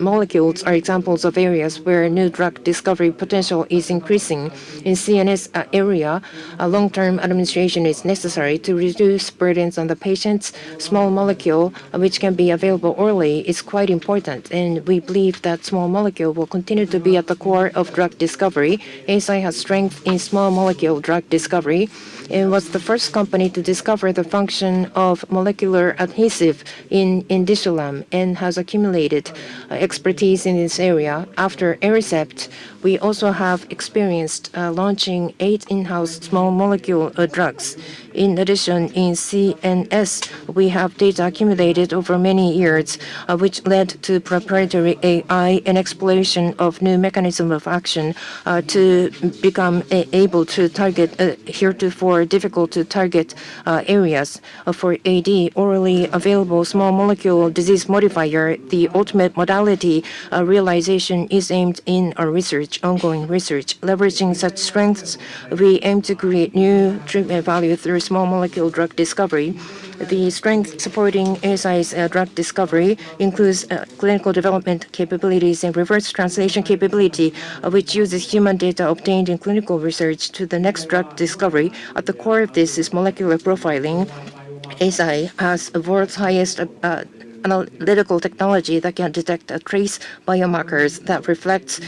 molecules are examples of areas where new drug discovery potential is increasing. In CNS area, a long-term administration is necessary to reduce burdens on the patients. Small molecule which can be available orally is quite important. We believe that small molecule will continue to be at the core of drug discovery. Eisai has strength in small molecule drug discovery and was the first company to discover the function of molecular adhesive indisulam and has accumulated expertise in this area. After Aricept, we also have experienced launching eight in-house small molecule drugs. In addition, in CNS, we have data accumulated over many years, which led to proprietary AI and exploration of new mechanism of action to become able to target heretofore difficult to target areas. For AD, orally available small molecule disease modifier, the ultimate modality realization is aimed in our ongoing research. Leveraging such strengths, we aim to create new treatment value through small molecule drug discovery. The strength supporting Eisai's drug discovery includes clinical development capabilities and reverse translation capability, which uses human data obtained in clinical research to the next drug discovery. At the core of this is molecular profiling. Eisai has the world's highest analytical technology that can detect trace biomarkers that reflect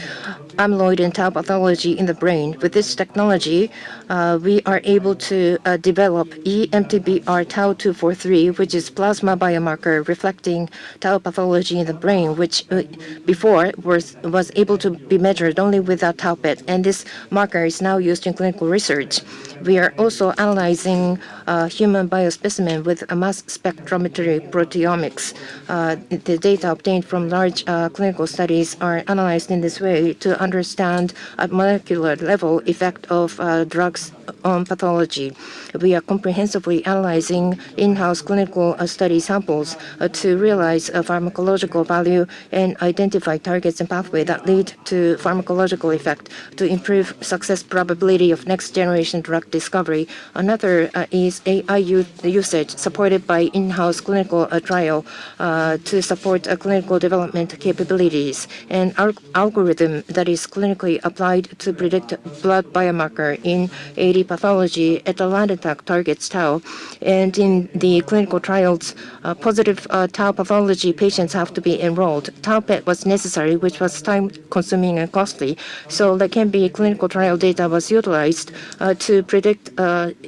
amyloid and tau pathology in the brain. With this technology, we are able to develop eMTBR-tau243, which is plasma biomarker reflecting tau pathology in the brain, which before was able to be measured only with tau PET, and this marker is now used in clinical research. We are also analyzing human biospecimen with a mass spectrometry-based proteomics. The data obtained from large clinical studies are analyzed in this way to understand at molecular level effect of drugs on pathology. We are comprehensively analyzing in-house clinical study samples to realize a pharmacological value and identify targets and pathway that lead to pharmacological effect to improve success probability of next generation drug discovery. Another is AI usage supported by in-house clinical trial to support clinical development capabilities. An algorithm that is clinically applied to predict blood biomarker in AD pathology at the etalanetug targets tau, in the clinical trials, positive tau pathology patients have to be enrolled. Tau PET was necessary, which was time-consuming and costly. LEQEMBI clinical trial data was utilized to predict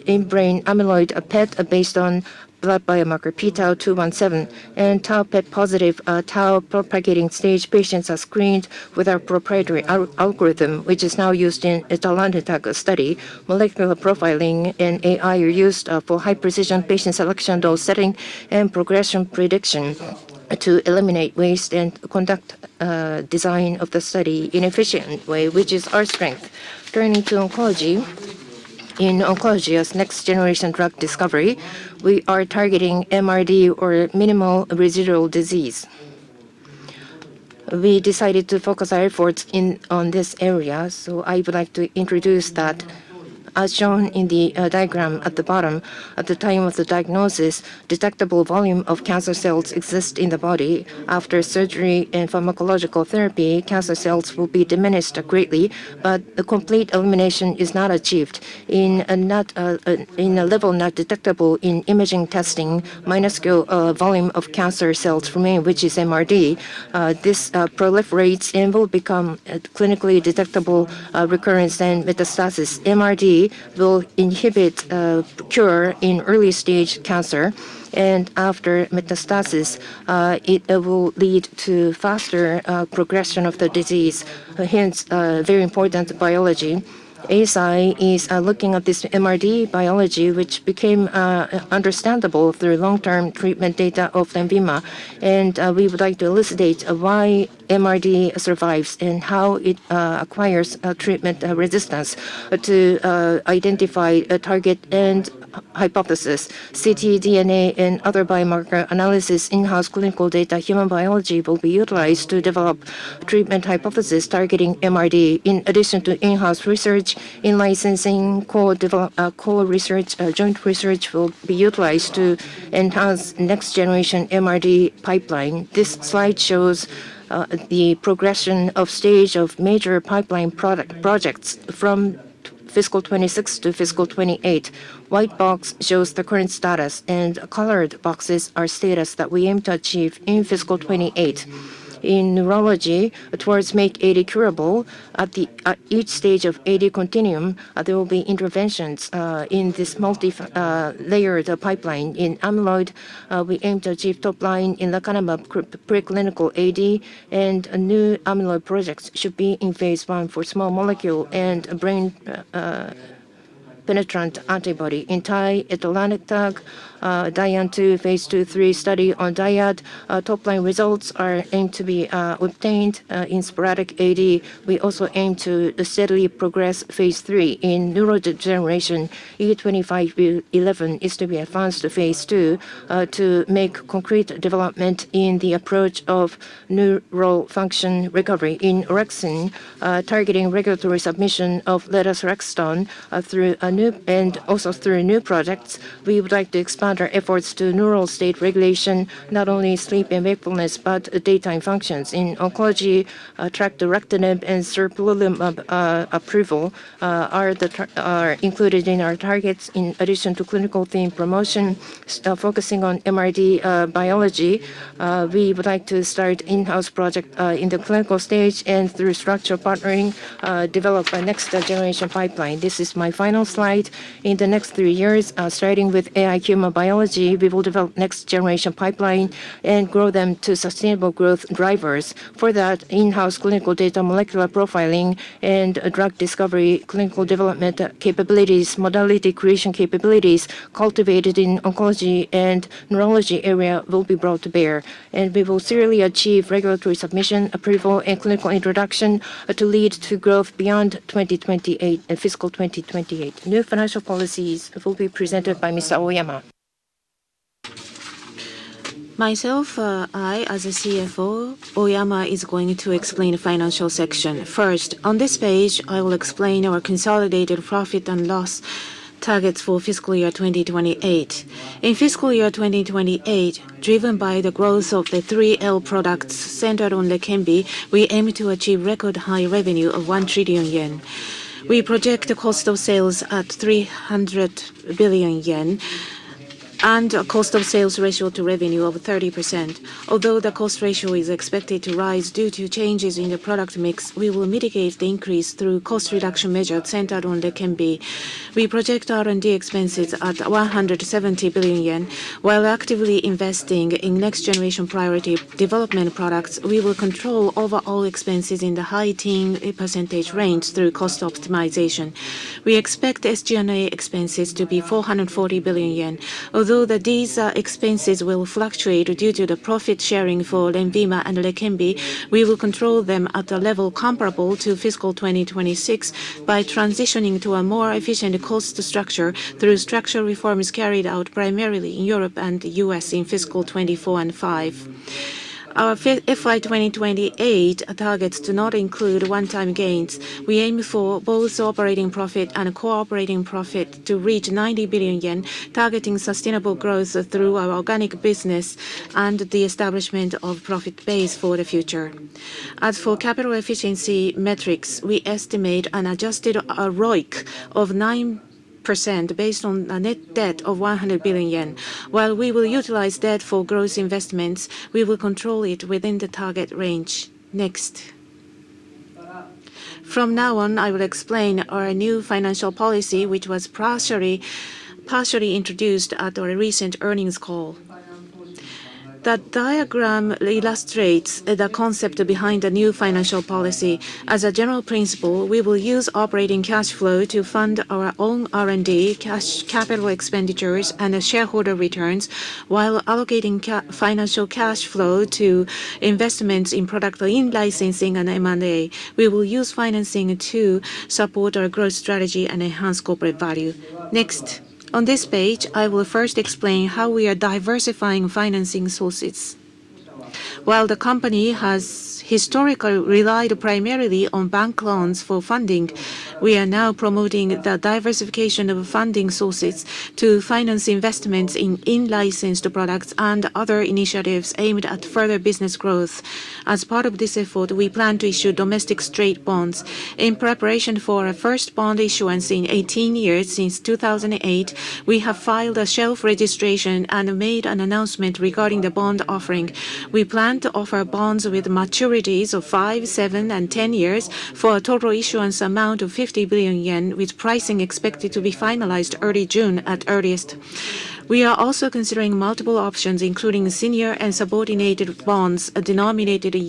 in-brain amyloid path based on blood biomarker p-tau217. Tau PET positive tau propagating stage patients are screened with our proprietary algorithm, which is now used in etalanetug study. Molecular profiling and AI are used for high precision patient selection, dose setting, and progression prediction to eliminate waste and conduct design of the study in efficient way, which is our strength. Turning to oncology. In oncology, as next generation drug discovery, we are targeting MRD or minimal residual disease. We decided to focus our efforts on this area, so I would like to introduce that. As shown in the diagram at the bottom, at the time of the diagnosis, detectable volume of cancer cells exist in the body. After surgery and pharmacological therapy, cancer cells will be diminished greatly, but a complete elimination is not achieved. In a level not detectable in imaging testing, minuscule volume of cancer cells remain, which is MRD. This proliferates and will become a clinically detectable recurrence and metastasis. MRD will inhibit a cure in early stage cancer. After metastasis, it will lead to faster progression of the disease. Hence, very important biology. Eisai is looking at this MRD biology, which became understandable through long-term treatment data of LENVIMA. We would like to elucidate why MRD survives and how it acquires treatment resistance to identify a target and hypothesis. ctDNA and other biomarker analysis, in-house clinical data, human biology will be utilized to develop treatment hypothesis targeting MRD. In addition to in-house research, in-licensing, co-research, joint research will be utilized to enhance next generation MRD pipeline. This slide shows the progression of stage of major pipeline projects from fiscal 2026 to fiscal 2028. White box shows the current status, and colored boxes are status that we aim to achieve in fiscal 2028. In neurology, towards Make AD Curable, at each stage of AD continuum, there will be interventions in this multi-layered pipeline. In amyloid, we aim to achieve top line in lecanemab preclinical AD, and new amyloid projects should be in phase I for small molecule and brain penetrant antibody. In tau, etalanetug, DIAN-TU phase II/III study on DIAD. Top line results are aimed to be obtained in sporadic AD. We also aim to steadily progress phase III in neurodegeneration. E2511 is to be advanced to phase II to make concrete development in the approach of neural function recovery. In orexin, targeting regulatory submission of ledasorexton, and also through new projects. We would like to expand our efforts to neural state regulation, not only sleep and wakefulness, but daytime functions. In oncology, taletrectinib and serplulimab approval are included in our targets. In addition to clinical team promotion focusing on MRD biology, we would like to start in-house project in the clinical stage and through structural partnering, develop a next generation pipeline. This is my final slide. In the next three years, starting with AI chemo biology, we will develop next-generation pipeline and grow them to sustainable growth drivers. For that, in-house clinical data, molecular profiling, and drug discovery, clinical development capabilities, modality creation capabilities cultivated in oncology and neurology area will be brought to bear. We will steadily achieve regulatory submission, approval, and clinical introduction to lead to growth beyond fiscal 2028. New financial policies will be presented by Mr. Oyama. Myself, I, as the CFO, Oyama is going to explain financial section. First, on this page, I will explain our consolidated profit and loss targets for fiscal year 2028. In fiscal year 2028, driven by the growth of the three L products centered on LEQEMBI, we aim to achieve record high revenue of 1 trillion yen. We project the cost of sales at 300 billion yen and a cost of sales ratio to revenue of 30%. Although the cost ratio is expected to rise due to changes in the product mix, we will mitigate the increase through cost reduction measures centered on LEQEMBI. We project R&D expenses at 170 billion yen. While actively investing in next generation priority development products, we will control overall expenses in the high teen percentage range through cost optimization. We expect SG&A expenses to be 440 billion yen. Although these expenses will fluctuate due to the profit sharing for LENVIMA and LEQEMBI, we will control them at a level comparable to fiscal 2026 by transitioning to a more efficient cost structure through structural reforms carried out primarily in Europe and the U.S. in fiscal 2024 and 2025. Our FY 2028 targets do not include one-time gains. We aim for both operating profit and core operating profit to reach 90 billion yen, targeting sustainable growth through our organic business and the establishment of profit base for the future. As for capital efficiency metrics, we estimate an adjusted ROIC of 9% based on a net debt of 100 billion yen. While we will utilize debt for growth investments, we will control it within the target range. Next. From now on, I will explain our new financial policy, which was partially introduced at our recent earnings call. The diagram illustrates the concept behind the new financial policy. As a general principle, we will use operating cash flow to fund our own R&D, capital expenditures, and shareholder returns while allocating financial cash flow to investments in product in-licensing and M&A. We will use financing to support our growth strategy and enhance corporate value. On this page, I will first explain how we are diversifying financing sources. While the company has historically relied primarily on bank loans for funding, we are now promoting the diversification of funding sources to finance investments in in-licensed products and other initiatives aimed at further business growth. As part of this effort, we plan to issue domestic straight bonds. In preparation for our first bond issuance in 18 years since 2008, we have filed a shelf registration and made an announcement regarding the bond offering. We plan to offer bonds with maturities of five, seven, and 10 years for a total issuance amount of 50 billion yen, with pricing expected to be finalized early June at earliest. We are also considering multiple options, including senior and subordinated bonds denominated in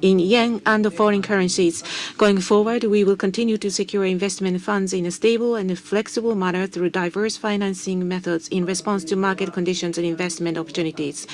yen and foreign currencies. Going forward, we will continue to secure investment funds in a stable and flexible manner through diverse financing methods in response to market conditions and investment opportunities.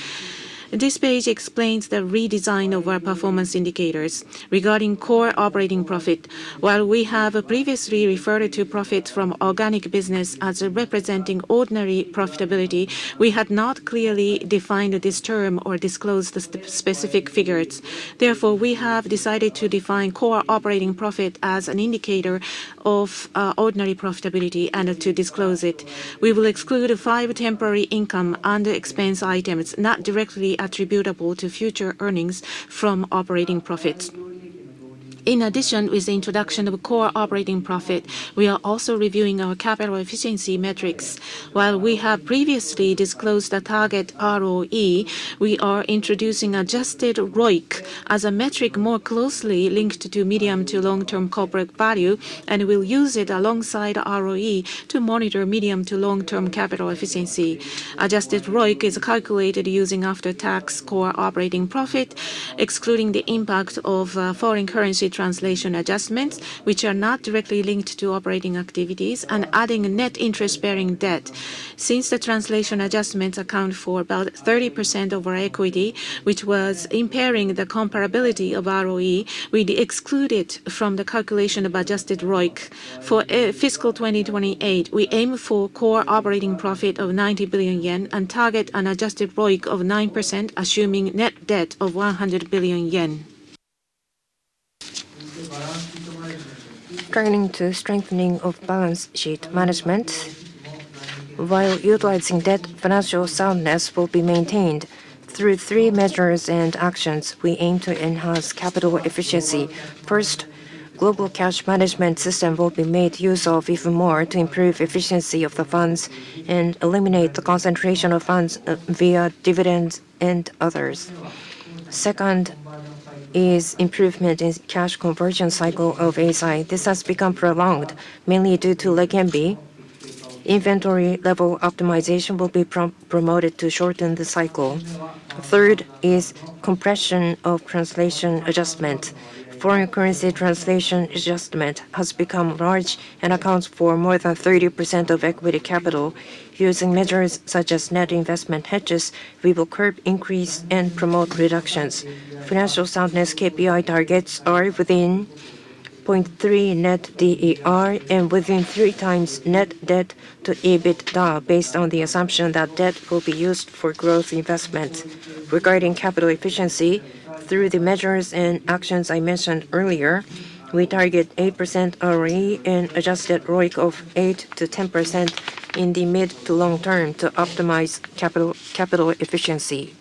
This page explains the redesign of our performance indicators. Regarding core operating profit, while we have previously referred to profit from organic business as representing ordinary profitability, we have not clearly defined this term or disclosed the specific figures. Therefore, we have decided to define core operating profit as an indicator of ordinary profitability and to disclose it. We will exclude five temporary income and expense items not directly attributable to future earnings from operating profit. In addition, with the introduction of core operating profit, we are also reviewing our capital efficiency metrics. While we have previously disclosed a target ROE, we are introducing adjusted ROIC as a metric more closely linked to medium to long-term corporate value and will use it alongside ROE to monitor medium to long-term capital efficiency. Adjusted ROIC is calculated using after-tax core operating profit, excluding the impact of foreign currency translation adjustments, which are not directly linked to operating activities and adding net interest-bearing debt. Since the translation adjustments account for about 30% of our equity, which was impairing the comparability of ROE, we exclude it from the calculation of adjusted ROIC. For fiscal 2028, we aim for core operating profit of 90 billion yen and target an adjusted ROIC of 9%, assuming net debt of 100 billion yen. Turning to strengthening of balance sheet management. While utilizing debt, financial soundness will be maintained. Through three measures and actions, we aim to enhance capital efficiency. First, global cash management system will be made use of even more to improve efficiency of the funds and eliminate the concentration of funds via dividends and others. Second is improvement in cash conversion cycle of Eisai. This has become prolonged, mainly due to LEQEMBI. Inventory level optimization will be promoted to shorten the cycle. Third is compression of translation adjustment. Foreign currency translation adjustment has become large and accounts for more than 30% of equity capital. Using measures such as net investment hedges, we will curb increase and promote reductions. Financial soundness KPI targets are within 0.3 net DER and within 3x Net Debt-to-EBITDA, based on the assumption that debt will be used for growth investments. Regarding capital efficiency, through the measures and actions I mentioned earlier, we target 8% ROE and adjusted ROIC of 8%-10% in the mid to long term to optimize capital efficiency.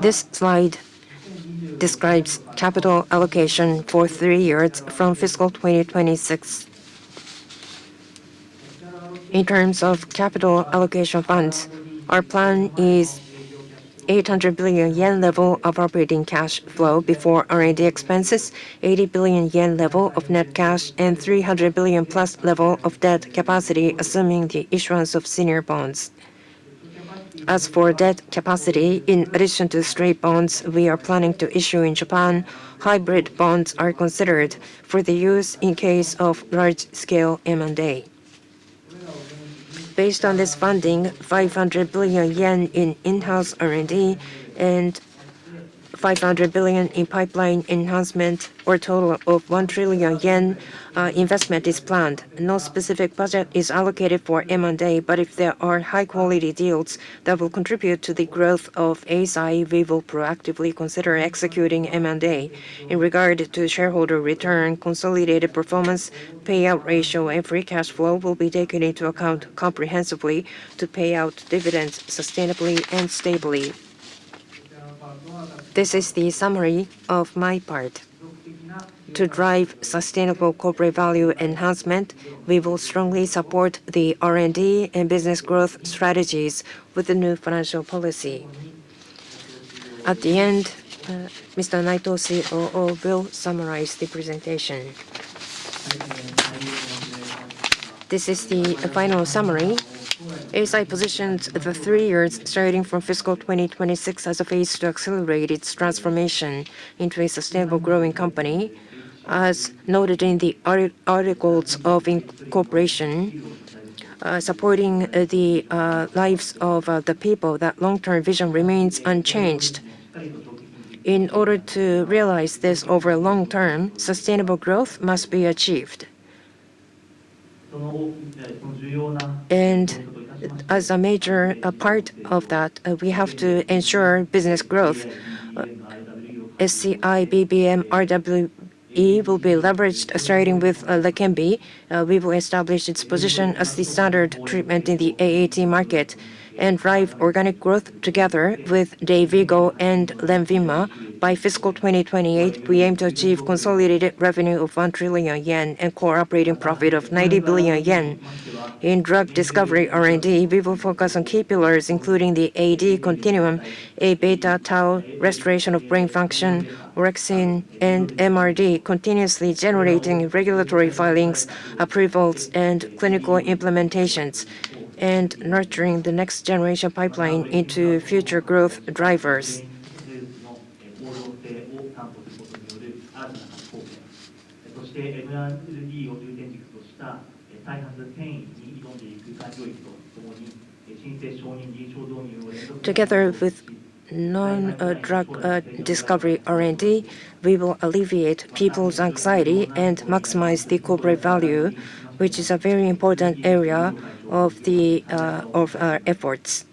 This slide describes capital allocation for three years from fiscal 2026. In terms of capital allocation funds, our plan is 800 billion yen level of operating cash flow before R&D expenses, 80 billion yen level of net cash, and 300+ billion level of debt capacity, assuming the issuance of senior bonds. As for debt capacity, in addition to straight bonds we are planning to issue in Japan, hybrid bonds are considered for the use in case of large-scale M&A. Based on this funding, 500 billion yen in in-house R&D and 500 billion in pipeline enhancement for a total of 1 trillion yen investment is planned. No specific budget is allocated for M&A, but if there are high-quality deals that will contribute to the growth of Eisai, we will proactively consider executing M&A. In regard to shareholder return, consolidated performance, payout ratio, and free cash flow will be taken into account comprehensively to pay out dividends sustainably and stably. This is the summary of my part. To drive sustainable corporate value enhancement, we will strongly support the R&D and business growth strategies with the new financial policy. At the end, Mr. Naito will summarize the presentation. This is the final summary. Eisai positions the three years starting from FY 2026 as a phase to accelerate its transformation into a sustainable growing company. As noted in the articles of incorporation, supporting the lives of the people, that long-term vision remains unchanged. In order to realize this over long term, sustainable growth must be achieved. As a major part of that, we have to ensure business growth. SC-AI, BBM, RWE will be leveraged starting with LEQEMBI. We will establish its position as the standard treatment in the AD market and drive organic growth together with DAYVIGO and LENVIMA. By fiscal 2028, we aim to achieve consolidated revenue of 1 trillion yen and core operating profit of 90 billion yen. In drug discovery R&D, we will focus on key pillars including the AD continuum, A-beta, tau, restoration of brain function, orexin, and MRD, continuously generating regulatory filings, approvals, and clinical implementations, and nurturing the next generation pipeline into future growth drivers. Together with non-drug discovery R&D, we will alleviate people's anxiety and maximize the corporate value, which is a very important area of efforts.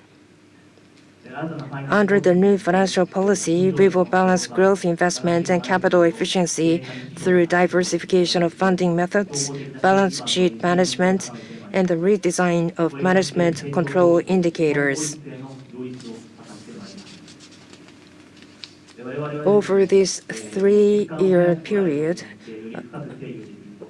Under the new financial policy, we will balance growth investment and capital efficiency through diversification of funding methods, balance sheet management, and the redesign of management control indicators. Over this three-year period,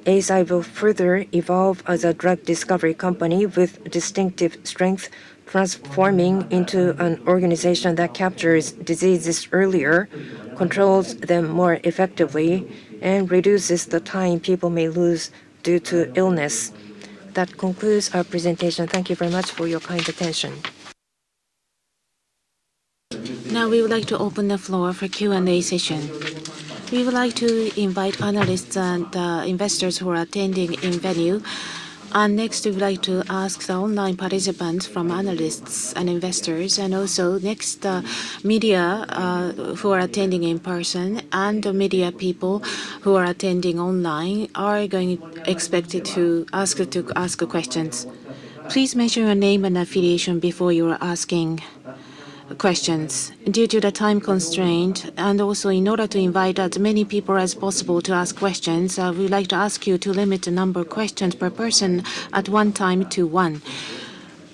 Eisai will further evolve as a drug discovery company with distinctive strength, transforming into an organization that captures diseases earlier, controls them more effectively, and reduces the time people may lose due to illness. That concludes our presentation. Thank you very much for your kind attention. Now, we would like to open the floor for Q&A session. We would like to invite analysts and investors who are attending in venue. Next, we would like to ask online participants from analysts and investors. Also next, media who are attending in person and the media people who are attending online are expected to ask questions. Please mention your name and affiliation before you are asking questions. Due to the time constraint, and also in order to invite as many people as possible to ask questions, we would like to ask you to limit the number of questions per person at one time to one.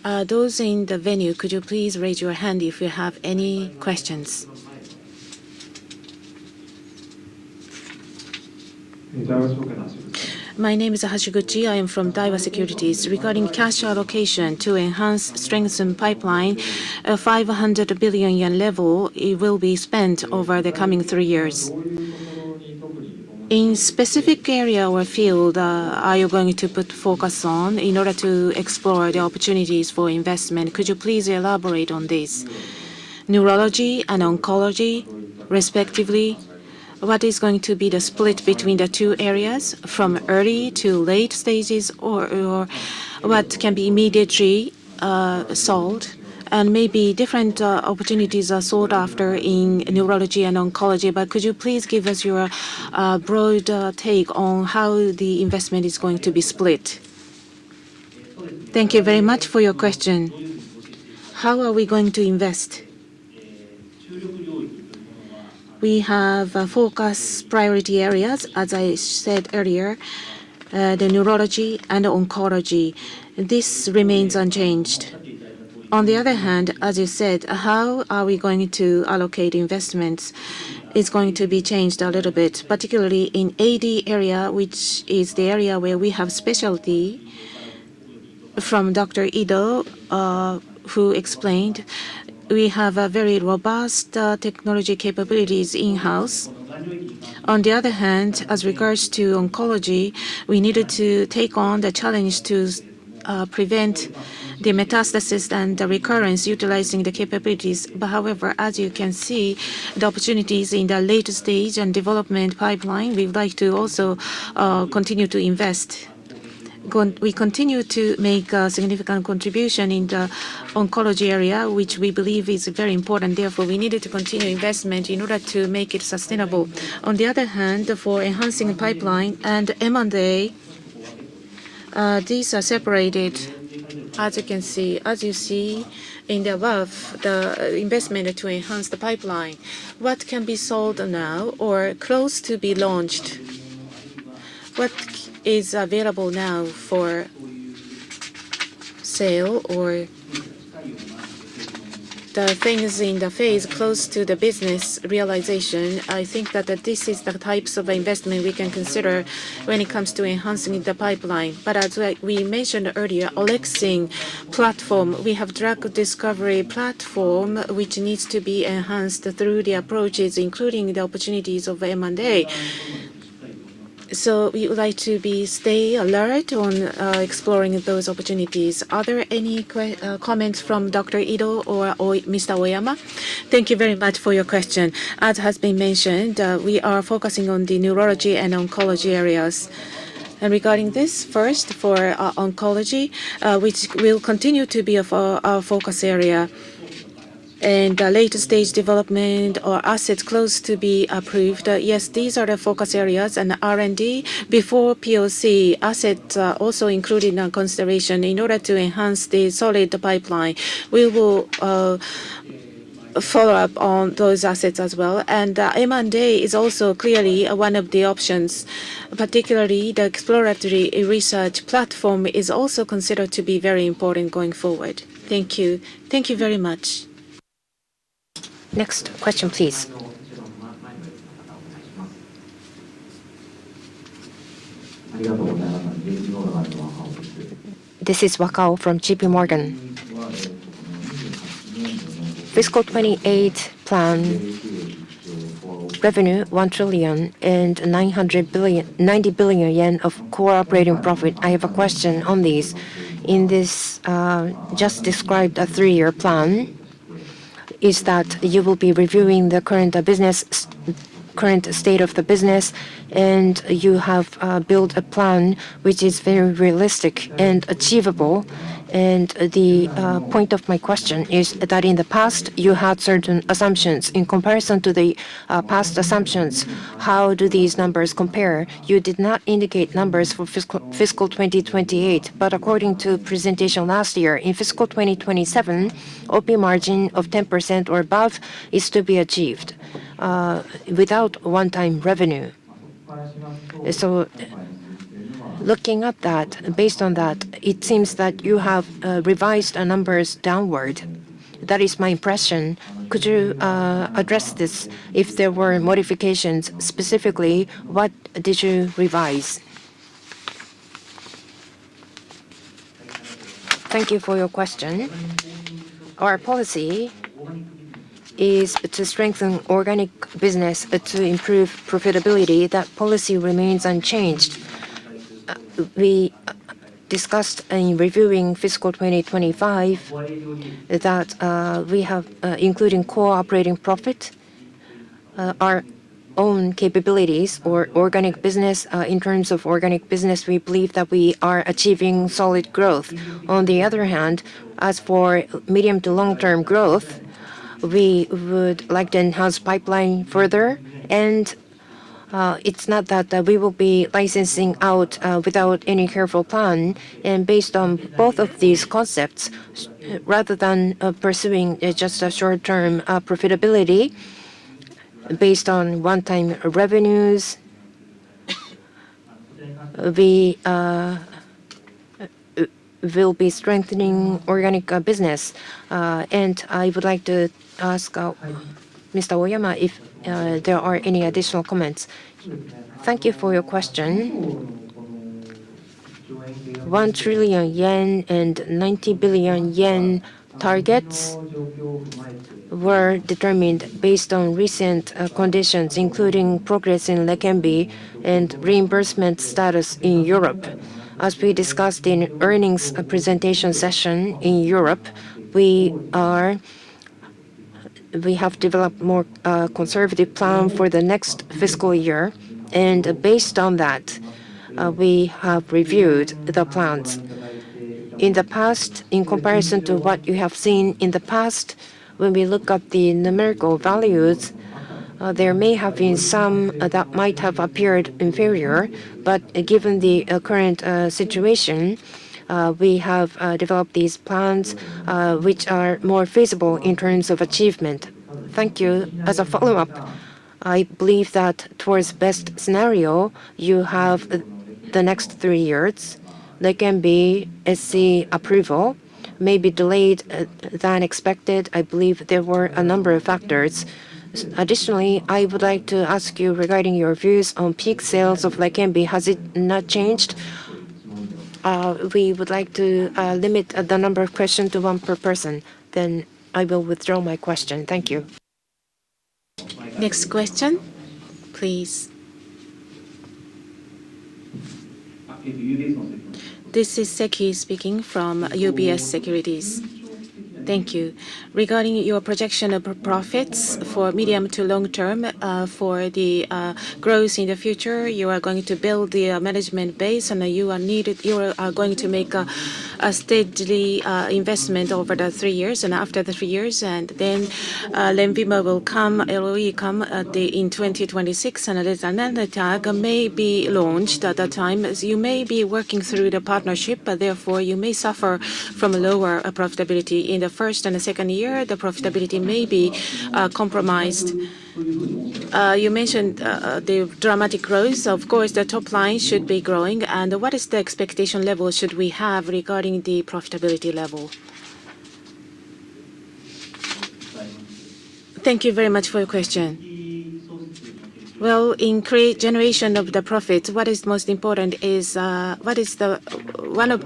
Those in the venue, could you please raise your hand if you have any questions? My name is Hashiguchi. I am from Daiwa Securities. Regarding cash allocation to enhance strengths and pipeline, a 500 billion yen level will be spent over the coming three years. In specific area or field are you going to put focus on in order to explore the opportunities for investment, could you please elaborate on this? Neurology and oncology, respectively. What is going to be the split between the two areas from early to late stages, or what can be immediately solved? Maybe different opportunities are sought after in neurology and oncology. Could you please give us your broad take on how the investment is going to be split? Thank you very much for your question. How are we going to invest? We have focus priority areas, as I said earlier, the neurology and oncology. This remains unchanged. As you said, how are we going to allocate investments is going to be changed a little bit, particularly in AD area, which is the area where we have specialty from Dr. Ido, who explained we have a very robust technology capabilities in-house. As regards to oncology, we needed to take on the challenge to prevent the metastasis and the recurrence utilizing the capabilities. As you can see, the opportunities in the later stage and development pipeline, we'd like to also continue to invest. We continue to make a significant contribution in the oncology area, which we believe is very important. Therefore, we needed to continue investment in order to make it sustainable. For enhancing the pipeline and M&A, these are separated. As you see in the above, the investment to enhance the pipeline. What can be sold now or close to be launched? What is available now for sale or the things in the phase close to the business realization? I think that this is the types of investment we can consider when it comes to enhancing the pipeline. As we mentioned earlier, orexin platform. We have drug discovery platform, which needs to be enhanced through the approaches, including the opportunities of M&A. We would like to stay alert on exploring those opportunities. Are there any comments from Dr. Ido or Mr. Oyama? Thank you very much for your question. As has been mentioned, we are focusing on the neurology and oncology areas. Regarding this, first, for oncology, which will continue to be our focus area, and later-stage development or assets close to being approved. Yes, these are the focus areas, and R&D before POC assets are also included in our consideration. In order to enhance the solid pipeline, we will follow up on those assets as well. M&A is also clearly one of the options. Particularly, the exploratory research platform is also considered to be very important going forward. Thank you. Thank you very much. Next question, please. Wakao from JPMorgan. Fiscal 2028 plan, revenue 1 trillion and 90 billion yen of core operating profit. I have a question on these. In this just described three-year plan, is that you will be reviewing the current state of the business, and you have built a plan which is very realistic and achievable. The point of my question is that in the past, you had certain assumptions. In comparison to the past assumptions, how do these numbers compare? You did not indicate numbers for FY 2028, but according to presentation last year, in FY 2027, OP margin of 10% or above is to be achieved without one-time revenue. Looking at that, based on that, it seems that you have revised the numbers downward. That is my impression. Could you address this? If there were modifications, specifically, what did you revise? Thank you for your question. Our policy is to strengthen organic business to improve profitability. That policy remains unchanged. We discussed in reviewing fiscal 2025 that we have, including core operating profit, our own capabilities for organic business. In terms of organic business, we believe that we are achieving solid growth. As for medium to long-term growth, we would like to enhance pipeline further, it's not that we will be licensing out without any careful plan. Based on both of these concepts, rather than pursuing just short-term profitability based on one-time revenues, we'll be strengthening organic business. I would like to ask Mr. Oyama if there are any additional comments. Thank you for your question. 1 trillion yen and 90 billion yen targets were determined based on recent conditions, including progress in LEQEMBI and reimbursement status in Europe. As we discussed in earnings presentation session in Europe, we have developed a more conservative plan for the next fiscal year. Based on that, we have reviewed the plans. In comparison to what you have seen in the past, when we look at the numerical values, there may have been some that might have appeared inferior. Given the current situation, we have developed these plans, which are more feasible in terms of achievement. Thank you. As a follow-up, I believe that towards best scenario, you have the next three years. LEQEMBI SC approval may be delayed than expected. I believe there were a number of factors. Additionally, I would like to ask you regarding your views on peak sales of LEQEMBI. Has it not changed? We would like to limit the number of questions to one per person. I will withdraw my question. Thank you. Next question, please. This is Seki speaking from UBS Securities. Thank you. Regarding your projection of profits for medium to long term, for the growth in the future, you are going to build the management base, you are going to make a steady investment over the three years. After the three years, LENVIMA will come early, come in 2026, Antag may be launched at the time. You may be working through the partnership, therefore, you may suffer from lower profitability. In the first and second year, the profitability may be compromised. You mentioned the dramatic growth. Of course, the top line should be growing. What is the expectation level should we have regarding the profitability level? Thank you very much for your question. Well, in generation of the profit, one of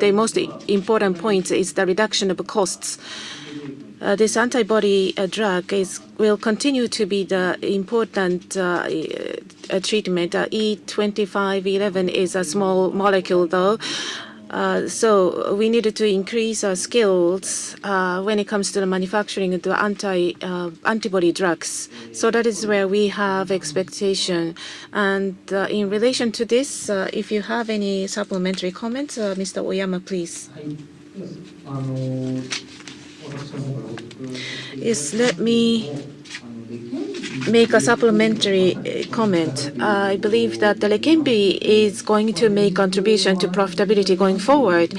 the most important points is the reduction of costs. This antibody drug will continue to be the important treatment. E2511 is a small molecule, though. We needed to increase our skills when it comes to manufacturing the antibody drugs. That is where we have expectation. In relation to this, if you have any supplementary comments, Mr. Oyama, please. Yes. Let me make a supplementary comment. I believe that LEQEMBI is going to make contribution to profitability going forward.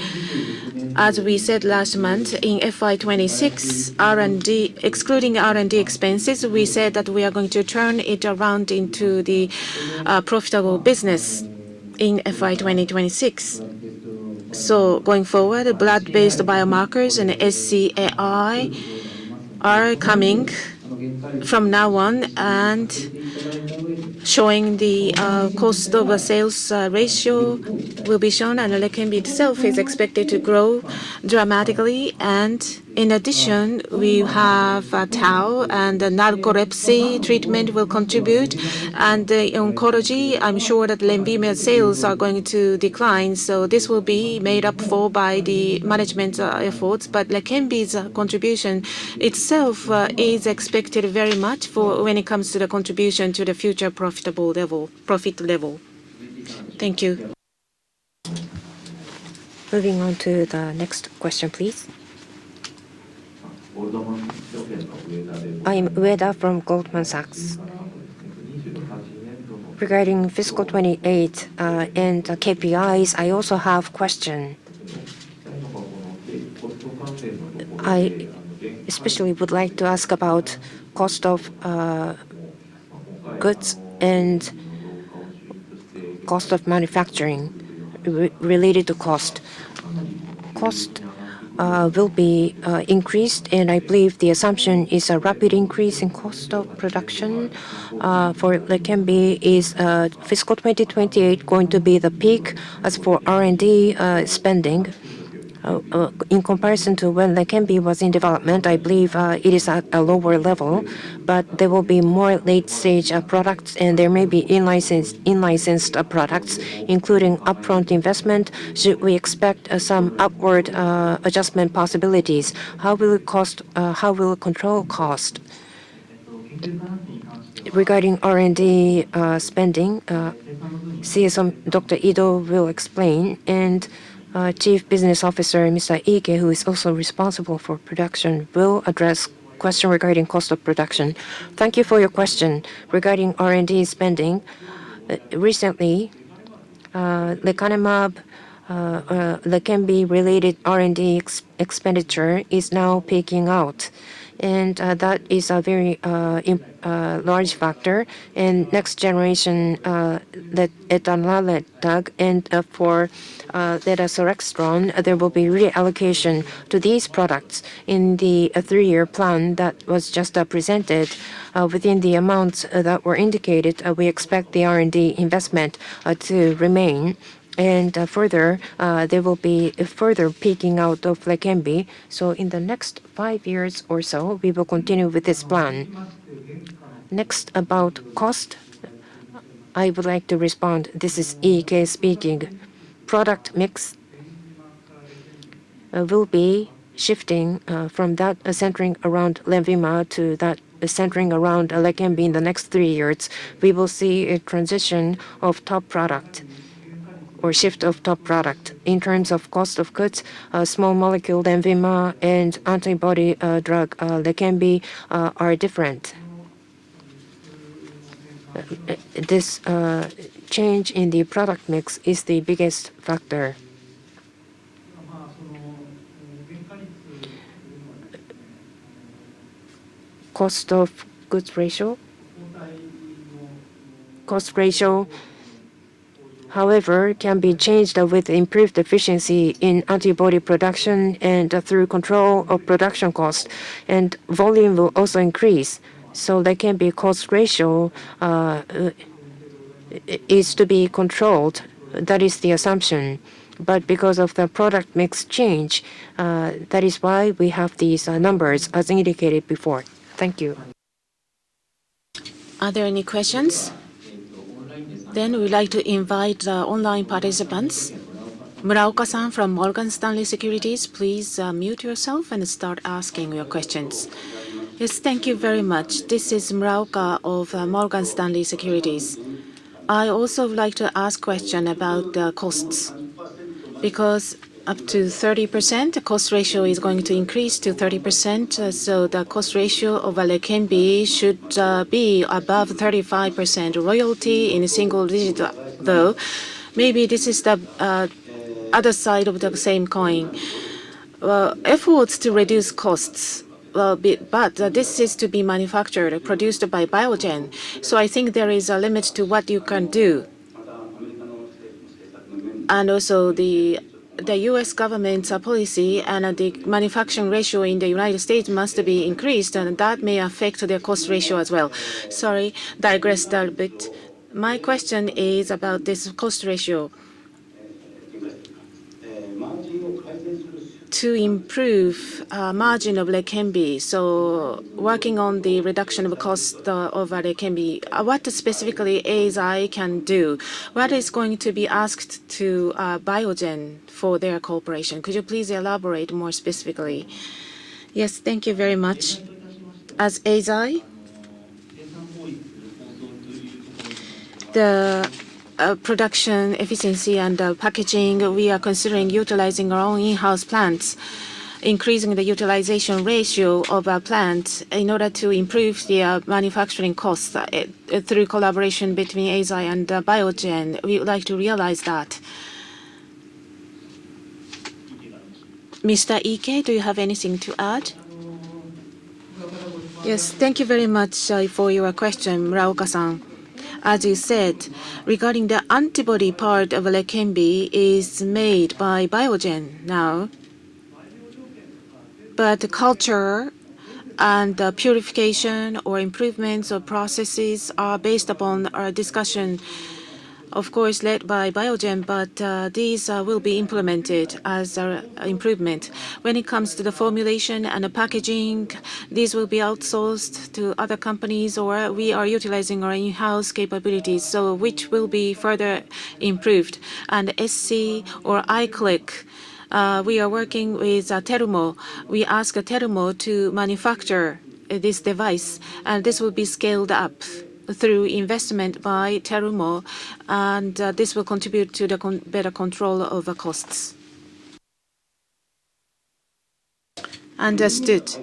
As we said last month, in FY 2026, excluding R&D expenses, we said that we are going to turn it around into the profitable business in FY 2026. Going forward, blood-based biomarkers and SC-AI are coming from now on, and showing the cost over sales ratio will be shown, and LEQEMBI itself is expected to grow dramatically. In addition, we have tau and the narcolepsy treatment will contribute. The oncology, I'm sure that LENVIMA sales are going to decline, so this will be made up for by the management efforts. LEQEMBI's contribution itself is expected very much for when it comes to the contribution to the future profit level. Thank you. Moving on to the next question, please. I'm Ueda from Goldman Sachs. Regarding fiscal 2028 and KPIs, I also have question. I especially would like to ask about cost of goods and cost of manufacturing related to cost. Cost will be increased, and I believe the assumption is a rapid increase in cost of production. For LEQEMBI, is fiscal 2028 going to be the peak? As for R&D spending, in comparison to when LEQEMBI was in development, I believe it is at a lower level, but there will be more late-stage products and there may be in-licensed products, including upfront investment. Should we expect some upward adjustment possibilities? How will we control cost? Regarding R&D spending, CSO Dr. Ido will explain, and Chief Business Officer Mr. Iike, who is also responsible for production, will address question regarding cost of production. Thank you for your question. Regarding R&D spending, recently, lecanemab, LEQEMBI-related R&D expenditure is now peaking out, and that is a very large factor. In next generation etalanetug and for ledasorexton, there will be reallocation to these products in the three-year plan that was just presented. Within the amounts that were indicated, we expect the R&D investment to remain. There will be further peaking out of LEQEMBI. In the next five years or so, we will continue with this plan. Next, about cost, I would like to respond. This is Iike speaking. Product mix will be shifting from that centering around LENVIMA to that centering around LEQEMBI in the next three years. We will see a transition of top product or shift of top product. In terms of cost of goods, small molecule LENVIMA and antibody drug LEQEMBI are different. This change in the product mix is the biggest factor. Cost of goods ratio. Cost ratio, however, can be changed with improved efficiency in antibody production and through control of production cost, and volume will also increase. LEQEMBI cost ratio is to be controlled. That is the assumption. Because of the product mix change, that is why we have these numbers as indicated before. Thank you. Are there any questions? We'd like to invite the online participants. Muraoka-san from Morgan Stanley Securities, please unmute yourself and start asking your questions. Yes, thank you very much. This is Muraoka of Morgan Stanley Securities. I also would like to ask question about the costs, because up to 30%, the cost ratio is going to increase to 30%, so the cost ratio of LEQEMBI should be above 35%. Royalty in single digit, though, maybe this is the other side of the same coin. Efforts to reduce costs. This is to be manufactured and produced by Biogen. I think there is a limit to what you can do. Also, the U.S. government's policy and the manufacturing ratio in the U.S. must be increased, and that may affect the cost ratio as well. Sorry, digressed a little bit. My question is about this cost ratio. To improve margin of LEQEMBI, working on the reduction of cost of LEQEMBI, what specifically Eisai can do? What is going to be asked to Biogen for their cooperation? Could you please elaborate more specifically? Yes. Thank you very much. As Eisai, the production efficiency and the packaging, we are considering utilizing our own in-house plants, increasing the utilization ratio of our plants in order to improve the manufacturing costs through collaboration between Eisai and Biogen. We would like to realize that. Mr. Iike, do you have anything to add? Yes. Thank you very much for your question, Muraoka-san. As you said, regarding the antibody part of LEQEMBI is made by Biogen now. The culture and the purification or improvements or processes are based upon our discussion, of course, led by Biogen, but these will be implemented as an improvement. When it comes to the formulation and the packaging, these will be outsourced to other companies, or we are utilizing our in-house capabilities, which will be further improved. SC or IQLIK, we are working with Terumo. We ask Terumo to manufacture this device. This will be scaled up through investment by Terumo. This will contribute to the better control over costs. Understood.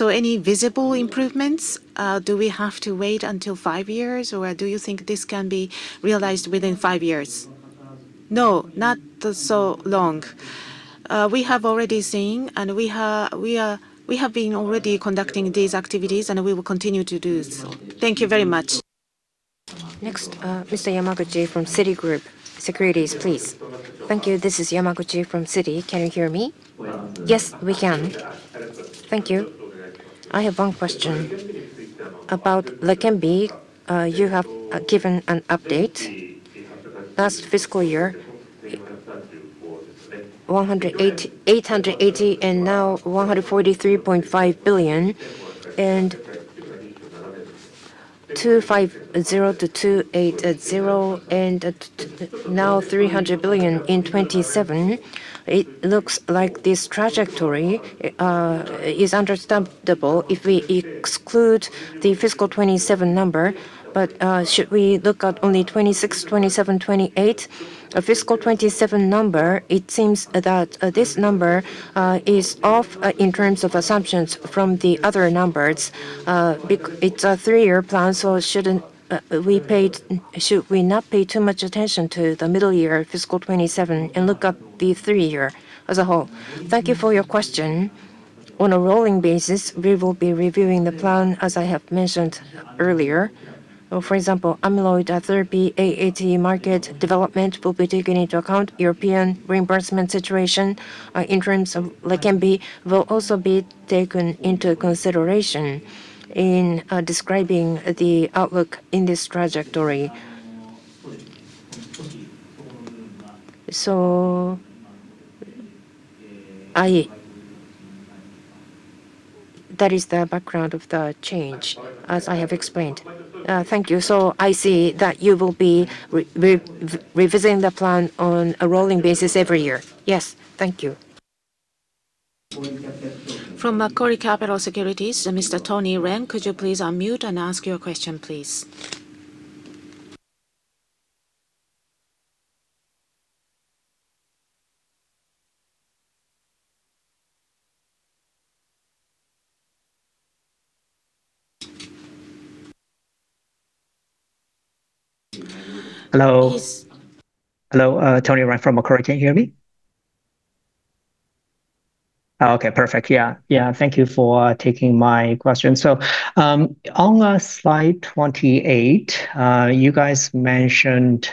Any visible improvements? Do we have to wait until five years, or do you think this can be realized within five years? No, not so long. We have already seen. We have been already conducting these activities. We will continue to do so. Thank you very much. Next, Mr. Yamaguchi from Citigroup Securities, please. Thank you. This is Yamaguchi from Citi. Can you hear me? Yes, we can. Thank you. I have one question. About LEQEMBI, you have given an update. Last fiscal year, [880], and now 143.5 billion. 250 billion-280 billion, and now 300 billion in FY 2027. It looks like this trajectory is understandable if we exclude the FY 2027 number. Should we look at only 2026, 2027, 2028? The fiscal 2027 number, it seems that this number is off in terms of assumptions from the other numbers. It is a three-year plan, so should we not pay too much attention to the middle year, fiscal 2027, and look at the three year as a whole? Thank you for your question. On a rolling basis, we will be reviewing the plan, as I have mentioned earlier. For example, amyloid, other BAAT market development will be taken into account. European reimbursement situation in terms of LEQEMBI will also be taken into consideration in describing the outlook in this trajectory. That is the background of the change, as I have explained. Thank you. I see that you will be revisiting the plan on a rolling basis every year. Yes. Thank you. From Macquarie Capital Securities, Mr. Tony Ren, could you please unmute and ask your question, please? Hello. Yes. Hello, Tony Ren from Macquarie. Can you hear me? Okay, perfect. Thank you for taking my question. On slide 28, you guys mentioned.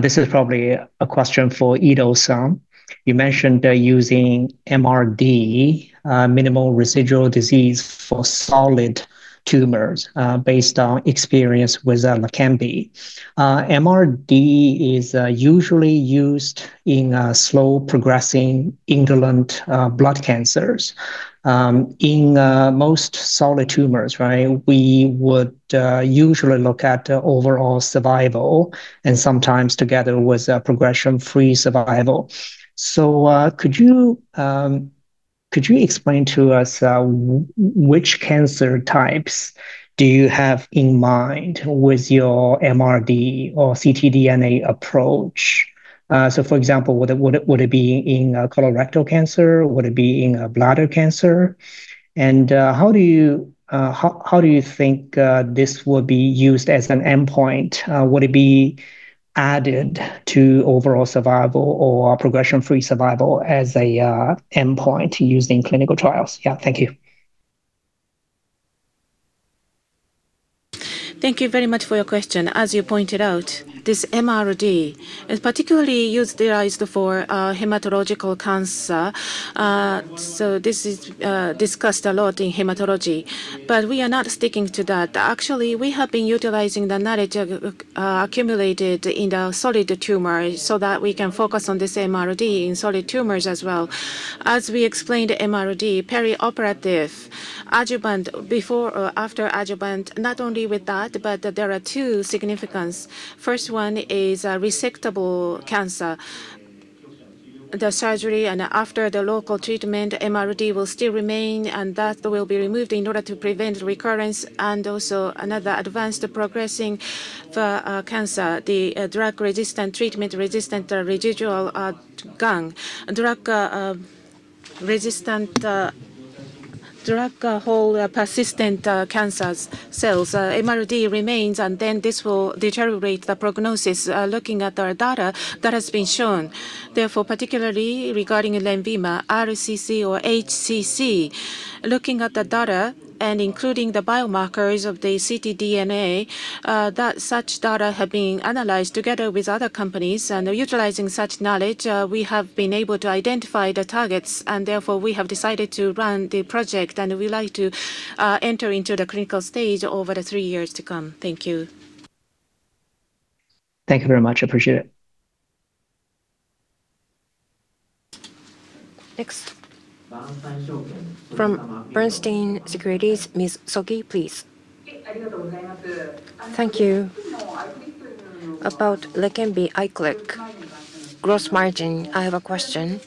This is probably a question for Ido-san. You mentioned using MRD, minimal residual disease, for solid tumors based on experience with LEQEMBI. MRD is usually used in slow-progressing indolent blood cancers. In most solid tumors, we would usually look at the overall survival and sometimes together with progression-free survival. Could you explain to us which cancer types do you have in mind with your MRD or ctDNA approach? For example, would it be in colorectal cancer? Would it be in bladder cancer? How do you think this would be used as an endpoint? Would it be added to overall survival or progression-free survival as an endpoint using clinical trials? Thank you. Thank you very much for your question. As you pointed out, this MRD is particularly utilized for hematological cancer. This is discussed a lot in hematology, but we are not sticking to that. Actually, we have been utilizing the knowledge accumulated in the solid tumor so that we can focus on this MRD in solid tumors as well. As we explained, MRD, perioperative, adjuvant, before or after adjuvant, not only with that, but there are two significance. First one is resectable cancer. The surgery and after the local treatment, MRD will still remain, and that will be removed in order to prevent recurrence and also another advanced progressing cancer, the drug-resistant, treatment-resistant, residual gun. Drug-tolerant persister cancer cells. MRD remains and then this will deteriorate the prognosis. Looking at our data, that has been shown. Particularly regarding LENVIMA, RCC or HCC. Looking at the data and including the biomarkers of the ctDNA, such data have been analyzed together with other companies. Utilizing such knowledge, we have been able to identify the targets, and therefore, we have decided to run the project, and we would like to enter into the clinical stage over the three years to come. Thank you. Thank you very much. Appreciate it. Next. From Bernstein Securities, Ms. Sogi, please. Thank you. About LEQEMBI IQLIK. Gross margin, I have a question.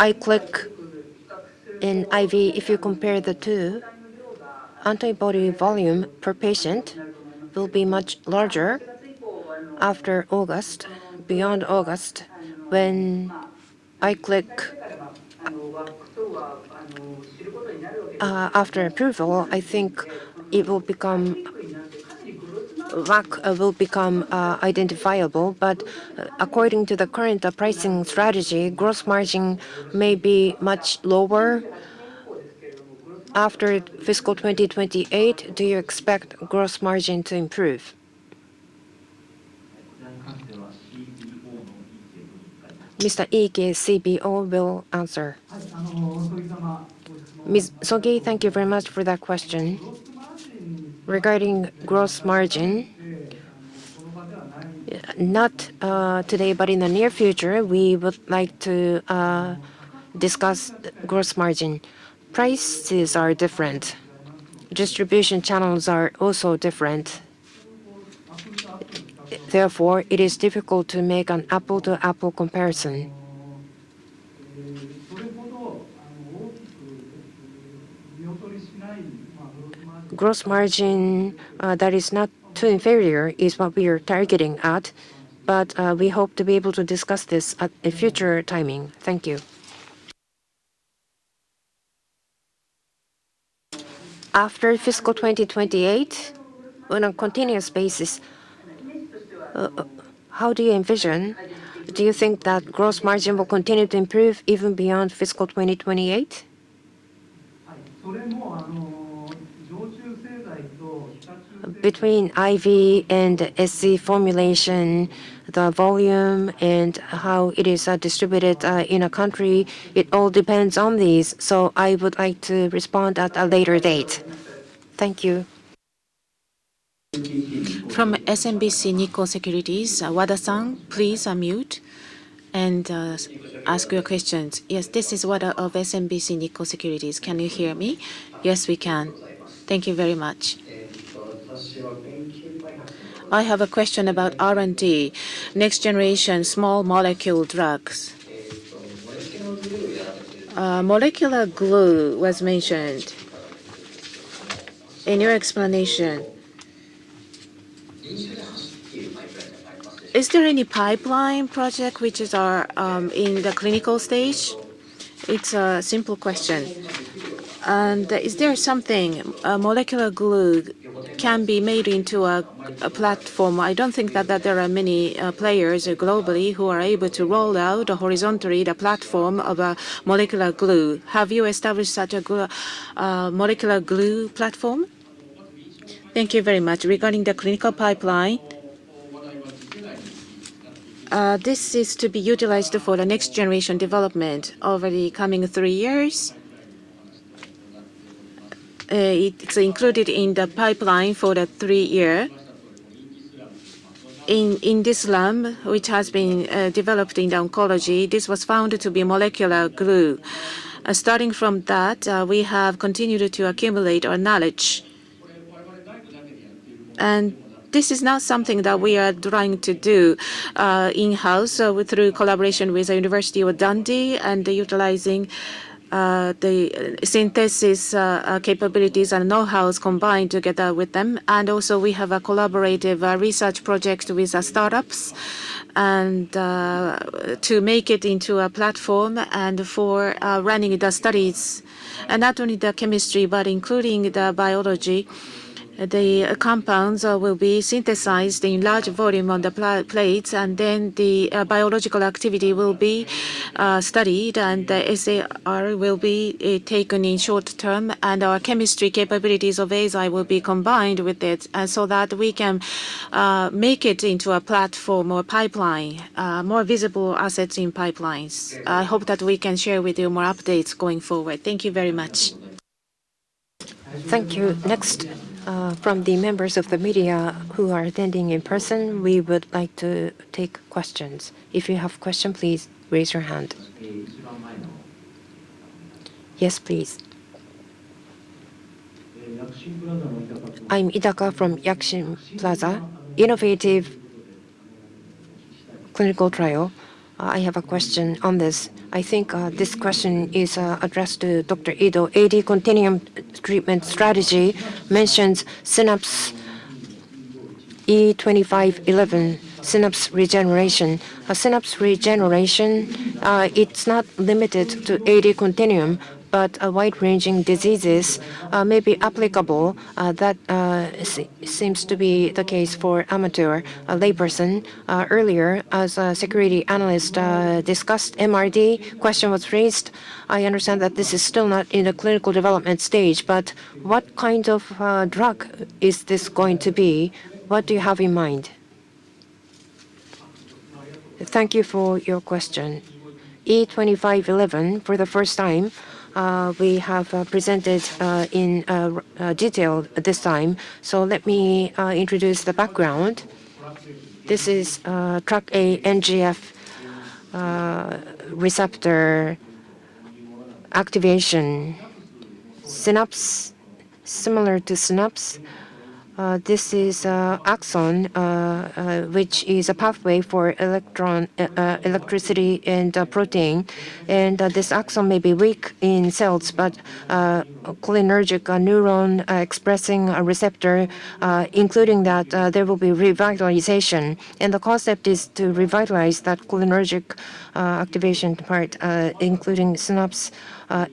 IQLIK and IV, if you compare the two, antibody volume per patient will be much larger after August. Beyond August, when IQLIK, after approval, I think [LAK] will become identifiable. According to the current pricing strategy, gross margin may be much lower. After fiscal 2028, do you expect gross margin to improve? Mr. Iike, CBO, will answer. Ms. Sogi, thank you very much for that question. Regarding gross margin, not today, but in the near future, we would like to discuss gross margin. Prices are different. Distribution channels are also different. It is difficult to make an apple-to-apple comparison. Gross margin that is not too inferior is what we are targeting at. We hope to be able to discuss this at a future timing. Thank you. After fiscal 2028, on a continuous basis, how do you envision? Do you think that gross margin will continue to improve even beyond fiscal 2028? Between IV and SC formulation, the volume, and how it is distributed in a country, it all depends on these. I would like to respond at a later date. Thank you. From SMBC Nikko Securities, Wada-san, please unmute and ask your questions. Yes. This is Wada of SMBC Nikko Securities. Can you hear me? Yes, we can. Thank you very much. I have a question about R&D. Next-generation small molecule drugs. Molecular glue was mentioned in your explanation. Is there any pipeline project which is in the clinical stage? It's a simple question. Is there something, a molecular glue can be made into a platform? I don't think that there are many players globally who are able to roll out horizontally the platform of a molecular glue. Have you established such a molecular glue platform? Thank you very much. Regarding the clinical pipeline, this is to be utilized for the next-generation development over the coming three years. It's included in the pipeline for the three year. Indisulam, which has been developed in oncology, this was found to be molecular glue. Starting from that, we have continued to accumulate our knowledge. This is not something that we are trying to do in-house. Through collaboration with the University of Dundee and utilizing the synthesis capabilities and know-how combined together with them. Also, we have a collaborative research project with startups. To make it into a platform and for running the studies, and not only the chemistry, but including the biology. The compounds will be synthesized in large volume on the plates, and then the biological activity will be studied, and the SAR will be taken in short term, and our chemistry capabilities of Eisai will be combined with it so that we can make it into a platform or pipeline, more visible assets in pipelines. I hope that we can share with you more updates going forward. Thank you very much. Thank you. From the members of the media who are attending in person, we would like to take questions. If you have a question, please raise your hand. Yes, please. I'm [Itakura] from [Yakuji Nippo]. Innovative clinical trial. I have a question on this. I think this question is addressed to Dr. Ido. AD continuum treatment strategy mentions synapse E2511, synapse regeneration. Synapse regeneration, it's not limited to AD continuum, but a wide-ranging diseases may be applicable, that seems to be the case for amateur, a layperson. Earlier, as a security analyst discussed MRD, question was raised. I understand that this is still not in the clinical development stage, but what kind of drug is this going to be? What do you have in mind? Thank you for your question. E2511, for the first time, we have presented in detail at this time. Let me introduce the background. This is a TrkA NGF receptor activation synapse, similar to synapse. This is axon, which is a pathway for electricity and protein. This axon may be weak in cells, but a cholinergic neuron expressing a receptor, including that there will be revitalization. The concept is to revitalize that cholinergic activation part including synapse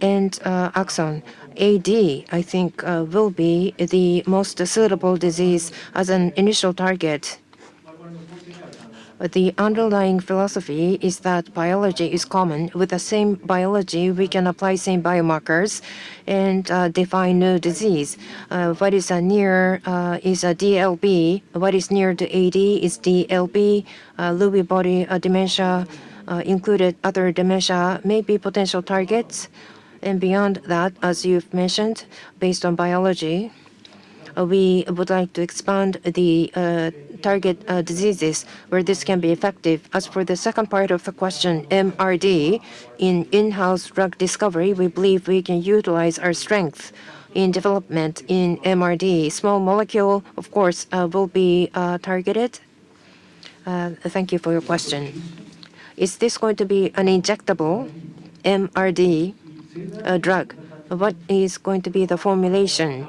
and axon. AD, I think, will be the most suitable disease as an initial target. The underlying philosophy is that biology is common. With the same biology, we can apply same biomarkers and define a disease. What is near to AD is DLB, Lewy body dementia, included other dementia, may be potential targets. Beyond that, as you've mentioned, based on biology, we would like to expand the target diseases where this can be effective. As for the second part of the question, MRD. In in-house drug discovery, we believe we can utilize our strength in development in MRD. Small molecule, of course, will be targeted. Thank you for your question. Is this going to be an injectable MRD drug? What is going to be the formulation?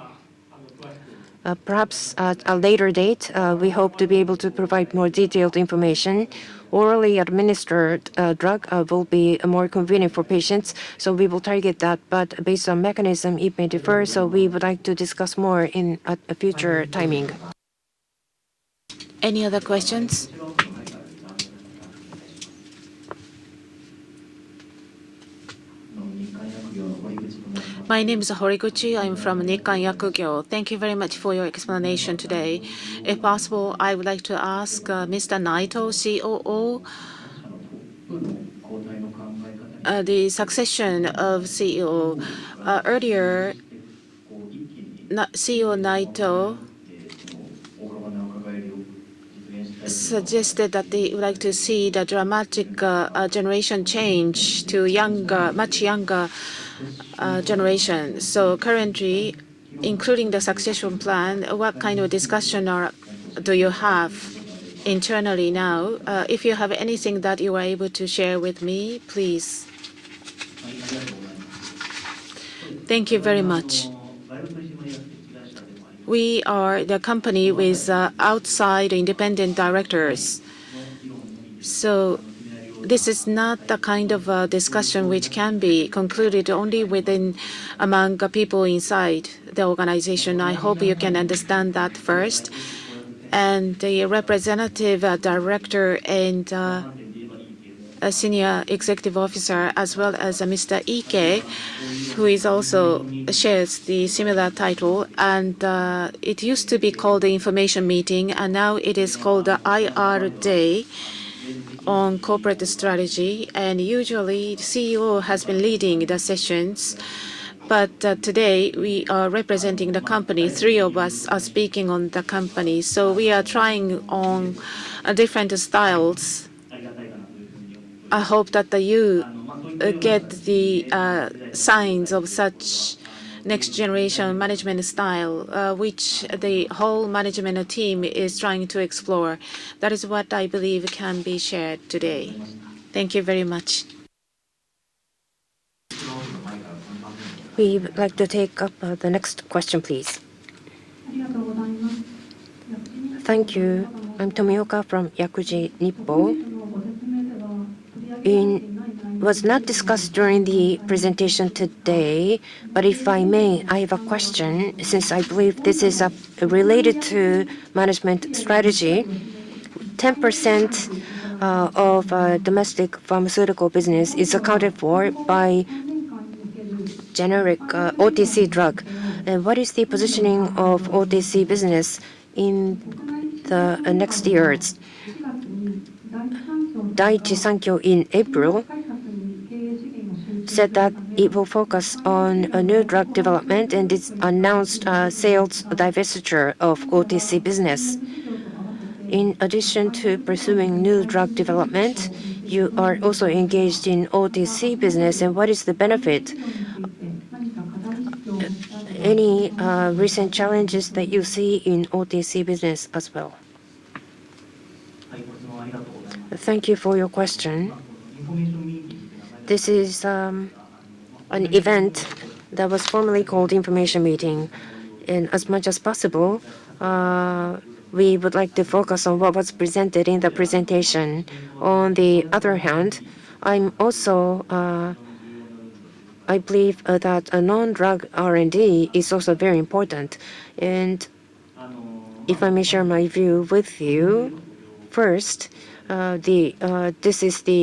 Perhaps at a later date, we hope to be able to provide more detailed information. Orally administered drug will be more convenient for patients, we will target that. Based on mechanism, it may differ, we would like to discuss more in at the future timing. Any other questions? My name is Horiguchi. I'm from Nikkan Yakugyo. Thank you very much for your explanation today. If possible, I would like to ask Mr. Naito, COO, the succession of COO. Earlier, CEO Naito suggested that they like to see the dramatic generation change to much younger generation. Currently, including the succession plan, what kind of discussion do you have internally now? If you have anything that you are able to share with me, please. Thank you very much. We are the company with outside independent directors, so this is not the kind of discussion which can be concluded only among the people inside the organization. I hope you can understand that first. The representative director and senior executive officer, as well as Mr. Iike, who also shares the similar title, and it used to be called the Information Meeting, and now it is called the IR Day on Corporate Strategy. Usually, CEO has been leading the sessions. Today, we are representing the company. Three of us are speaking on the company. We are trying on different styles. I hope that you get the signs of such next generation management style, which the whole management team is trying to explore. That is what I believe can be shared today. Thank you very much. We would like to take up the next question, please. Yeah. Thank you. I'm Tomoaki from Yakuji Nippo. It was not discussed during the presentation today, but if I may, I have a question since I believe this is related to management strategy. 10% of domestic pharmaceutical business is accounted for by generic OTC drug. What is the positioning of OTC business in the next years? Daiichi Sankyo in April said that it will focus on new drug development, and it announced a sales divestiture of OTC business. In addition to pursuing new drug development, you are also engaged in OTC business. What is the benefit? Any recent challenges that you see in OTC business as well? Thank you for your question. This is an event that was formerly called Information Meeting, and as much as possible, we would like to focus on what was presented in the presentation. On the other hand, I believe that a non-drug R&D is also very important. If I may share my view with you, first, this is the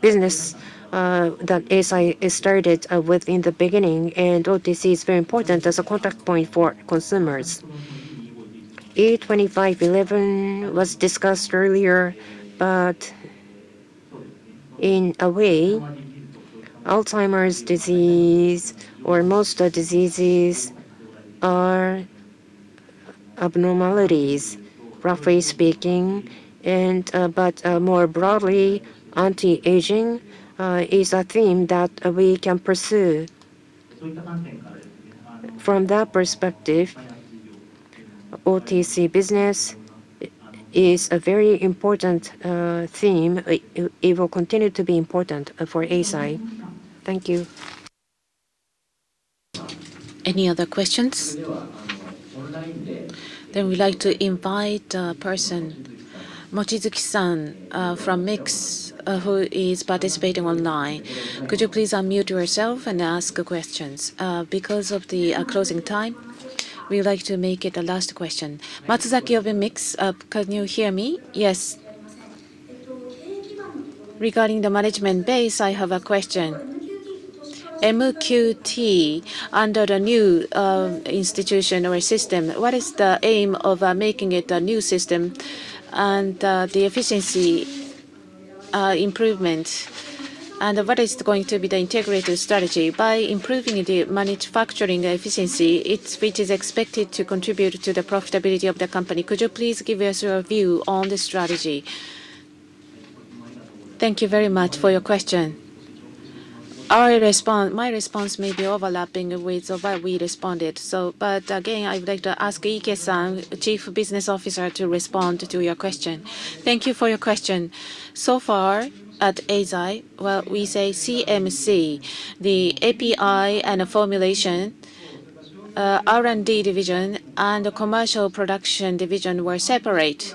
business that Eisai started with in the beginning, and OTC is very important as a contact point for consumers. E2511 was discussed earlier, but in a way, Alzheimer's disease or most diseases are abnormalities, roughly speaking. More broadly, anti-aging is a theme that we can pursue. From that perspective, OTC business is a very important theme. It will continue to be important for Eisai. Thank you. Any other questions? We'd like to invite a person, Mochizuki-san from Mix, who is participating online. Could you please unmute yourself and ask a question? Because of the closing time, we would like to make it the last question. Mochizuki of Mix, can you hear me? Yes. Regarding the management base, I have a question. MQT under the new institutional system, what is the aim of making it a new system and the efficiency improvements, and what is going to be the integrated strategy? By improving the manufacturing efficiency, it is expected to contribute to the profitability of the company. Could you please give us your view on the strategy? Thank you very much for your question. My response may be overlapping with what we responded, but again, I'd like to ask Iike-san, Chief Business Officer, to respond to your question. Thank you for your question. So far at Eisai, we say CMC, the API, and formulation, R&D division, and the commercial production division were separate.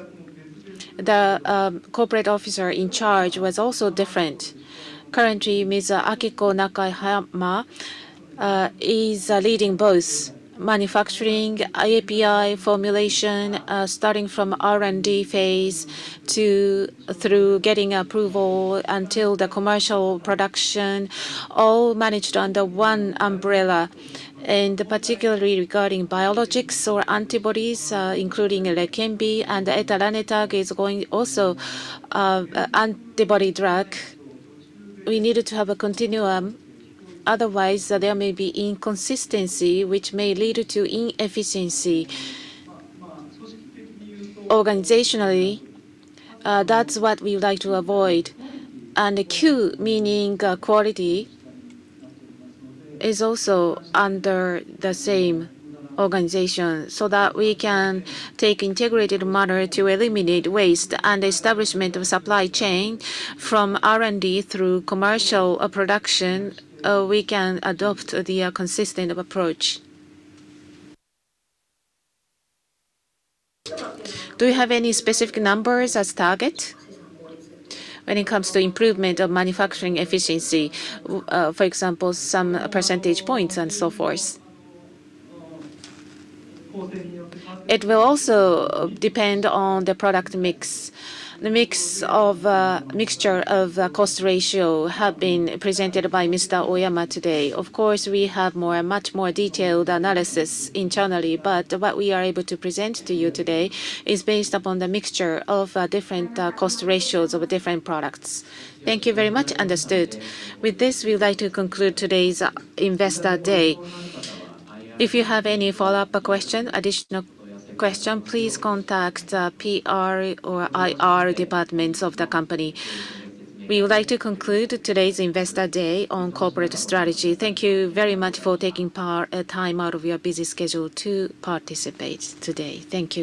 The corporate officer in charge was also different. Currently, Ms. Akiko Nakahama is leading both manufacturing API formulation, starting from R&D phase through getting approval until the commercial production, all managed under one umbrella. Particularly regarding biologics or antibodies, including LEQEMBI and etalanetug is going also antibody drug. We need to have a continuum. Otherwise, there may be inconsistency, which may lead to inefficiency. Organizationally, that's what we'd like to avoid. Q, meaning quality, is also under the same organization so that we can take integrated manner to eliminate waste and establishment of supply chain from R&D through commercial production, we can adopt the consistent approach. Do you have any specific numbers as target when it comes to improvement of manufacturing efficiency, for example, some percentage points and so forth? It will also depend on the product mix. The mixture of cost ratio have been presented by Mr. Oyama today. Of course, we have a much more detailed analysis internally, but what we are able to present to you today is based upon the mixture of different cost ratios of different products. Thank you very much. Understood. With this, we'd like to conclude today's Investor Day. If you have any follow-up question, additional question, please contact PR or IR departments of the company. We would like to conclude today's Investor Day on corporate strategy. Thank you very much for taking time out of your busy schedule to participate today. Thank you.